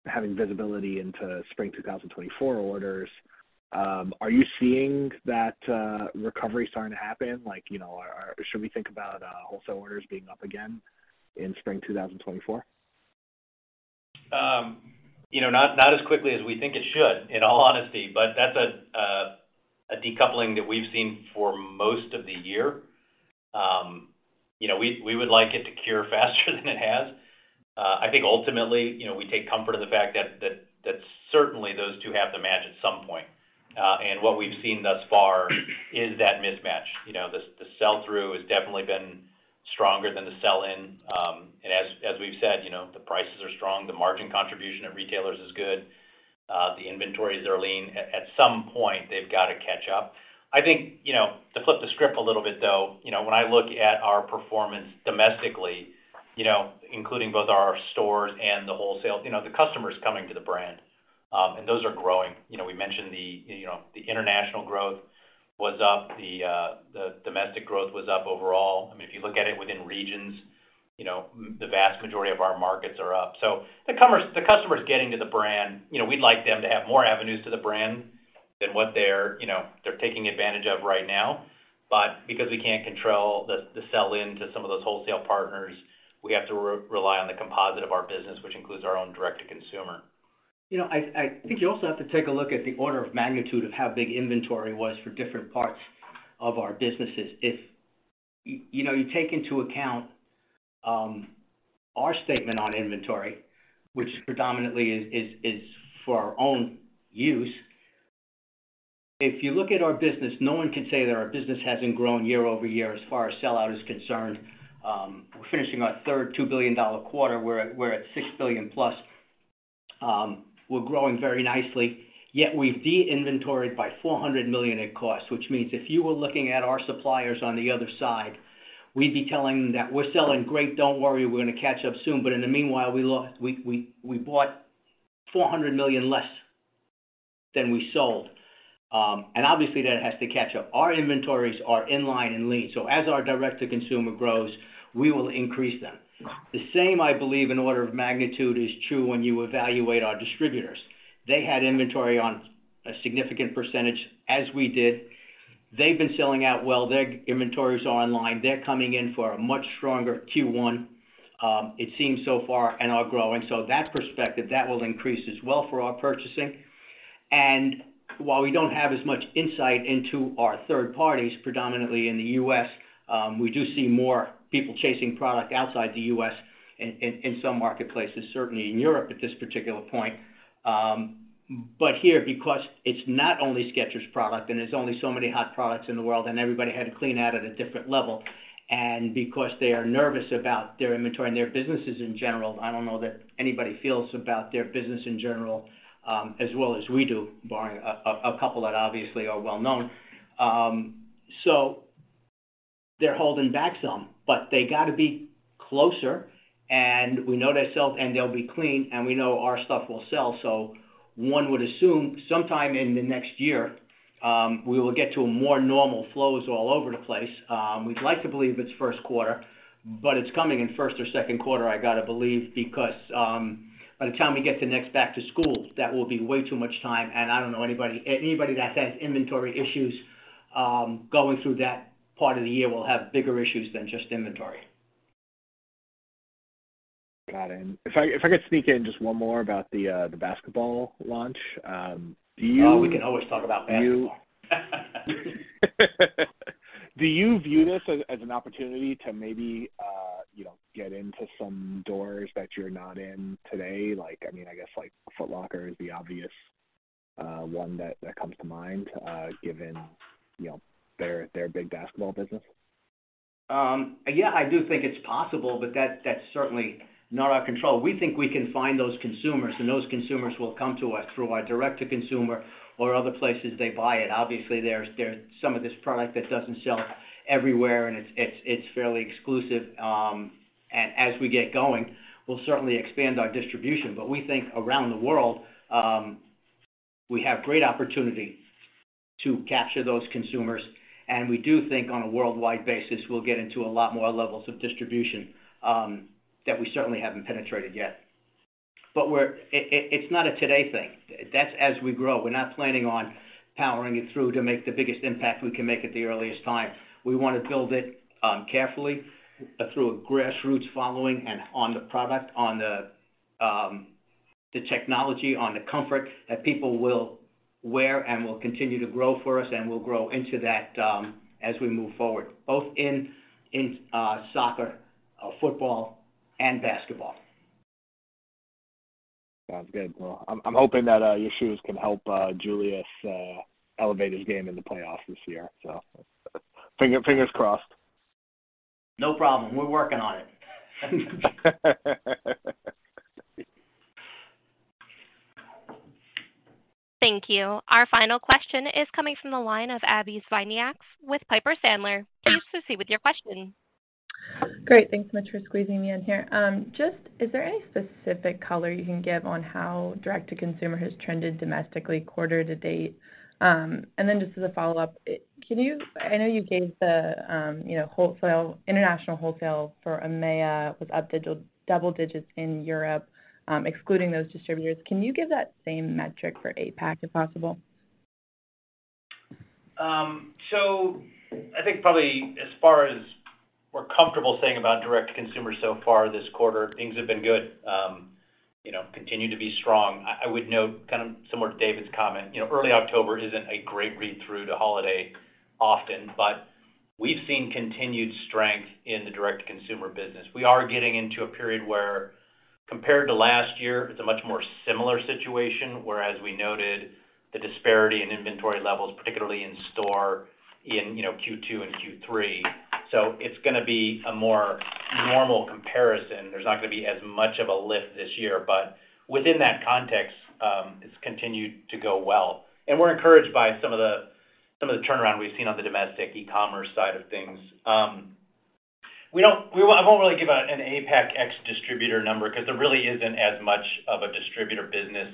having visibility into Spring 2024 orders, are you seeing that recovery starting to happen? Like, you know, or should we think about wholesale orders being up again in Spring 2024? You know, not, not as quickly as we think it should, in all honesty, but that's a, a decoupling that we've seen for most of the year. You know, we, we would like it to cure faster than it has. I think ultimately, you know, we take comfort in the fact that, that, that certainly those two have to match at some point. And what we've seen thus far is that mismatch. You know, the, the sell-through has definitely been stronger than the sell-in. And as, as we've said, you know, the prices are strong, the margin contribution of retailers is good. The inventories are lean. At, at some point, they've got to catch up. I think, you know, to flip the script a little bit, though, you know, when I look at our performance domestically, you know, including both our stores and the wholesale, you know, the customer is coming to the brand, and those are growing. You know, we mentioned the, you know, the international growth was up, the, the domestic growth was up overall. I mean, if you look at it within regions, you know, the vast majority of our markets are up. So the commerce, the customer is getting to the brand. You know, we'd like them to have more avenues to the brand than what they're, you know, taking advantage of right now. But because we can't control the, the sell-in to some of those wholesale partners, we have to rely on the composite of our business, which includes our own direct-to-consumer. You know, I think you also have to take a look at the order of magnitude of how big inventory was for different parts of our businesses. If you know, you take into account our statement on inventory, which predominantly is for our own use. If you look at our business, no one can say that our business hasn't grown year-over-year as far as sellout is concerned. We're finishing our third $2 billion quarter, we're at $6 billion plus. We're growing very nicely, yet we've de-inventoried by $400 million in cost, which means if you were looking at our suppliers on the other side, we'd be telling them that we're selling great, don't worry, we're going to catch up soon. But in the meanwhile, we bought $400 million less than we sold. And obviously, that has to catch up. Our inventories are in line and lean, so as our direct-to-consumer grows, we will increase them. The same, I believe, in order of magnitude, is true when you evaluate our distributors. They had inventory on a significant percentage, as we did. They've been selling out well. Their inventories are in line. They're coming in for a much stronger Q1, it seems so far, and are growing. So that perspective, that will increase as well for our purchasing. And while we don't have as much insight into our third parties, predominantly in the U.S., we do see more people chasing product outside the U.S. in some marketplaces, certainly in Europe at this particular point. But here, because it's not only Skechers product, and there's only so many hot products in the world, and everybody had to clean out at a different level, and because they are nervous about their inventory and their businesses in general, I don't know that anybody feels about their business in general as well as we do, barring a couple that obviously are well-known. So they're holding back some, but they got to be closer, and we know their self, and they'll be clean, and we know our stuff will sell. So one would assume sometime in the next year, we will get to a more normal flows all over the place. We'd like to believe it's first quarter, but it's coming in first or second quarter, I got to believe, because, by the time we get to next back to school, that will be way too much time. And I don't know anybody, anybody that has inventory issues, going through that part of the year will have bigger issues than just inventory. Got it. If I could sneak in just one more about the basketball launch, do you- Oh, we can always talk about basketball. Do you view this as an opportunity to maybe, you know, get into some doors that you're not in today? Like, I mean, I guess like Foot Locker is the obvious one that comes to mind, given, you know, their big basketball business. Yeah, I do think it's possible, but that's certainly not our control. We think we can find those consumers, and those consumers will come to us through our Direct-to-Consumer or other places they buy it. Obviously, there's some of this product that doesn't sell everywhere, and it's fairly exclusive. And as we get going, we'll certainly expand our distribution. But we think around the world, we have great opportunity to capture those consumers, and we do think on a worldwide basis, we'll get into a lot more levels of distribution that we certainly haven't penetrated yet. But it's not a today thing. That's as we grow. We're not planning on powering it through to make the biggest impact we can make at the earliest time. We want to build it carefully through a grassroots following and on the product, on the technology, on the comfort that people will wear and will continue to grow for us, and we'll grow into that as we move forward, both in soccer, football, and basketball. Sounds good. Well, I'm hoping that your shoes can help Julius elevate his game in the playoffs this year. So fingers crossed. No problem. We're working on it. Thank you. Our final question is coming from the line of Abbie Zvejnieks with Piper Sandler. Please proceed with your question. Great. Thanks so much for squeezing me in here. Just, is there any specific color you can give on how direct-to-consumer has trended domestically quarter to date? Just as a follow-up, can you... I know you gave the, you know, wholesale, international wholesale for EMEA was up digital, double digits in Europe, excluding those distributors. Can you give that same metric for APAC, if possible? So I think probably as far as we're comfortable saying about direct-to-consumer so far this quarter, things have been good. You know, continue to be strong. I would note, kind of similar to David's comment, you know, early October isn't a great read-through to holiday often, but we've seen continued strength in the direct-to-consumer business. We are getting into a period where, compared to last year, it's a much more similar situation, whereas we noted the disparity in inventory levels, particularly in store, you know, Q2 and Q3. So it's going to be a more normal comparison. There's not going to be as much of a lift this year, but within that context, it's continued to go well. And we're encouraged by some of the, some of the turnaround we've seen on the domestic e-commerce side of things. We don't—we won't, I won't really give an APAC ex-distributor number because there really isn't as much of a distributor business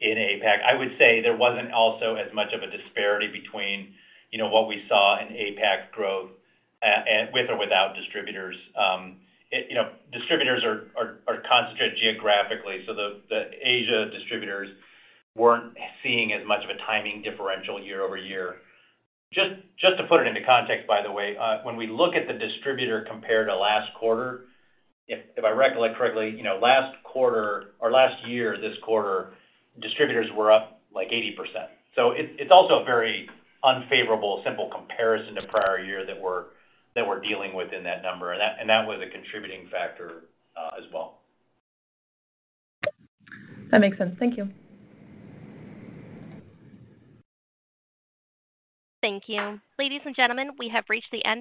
in APAC. I would say there wasn't also as much of a disparity between, you know, what we saw in APAC growth, and with or without distributors. It, you know, distributors are concentrated geographically, so the Asia distributors weren't seeing as much of a timing differential year-over-year. Just to put it into context, by the way, when we look at the distributor compared to last quarter, if I recollect correctly, you know, last quarter or last year, this quarter, distributors were up like 80%. So it, it's also a very unfavorable simple comparison to prior year that we're dealing with in that number, and that was a contributing factor, as well. That makes sense. Thank you. Thank you. Ladies and gentlemen, we have reached the end.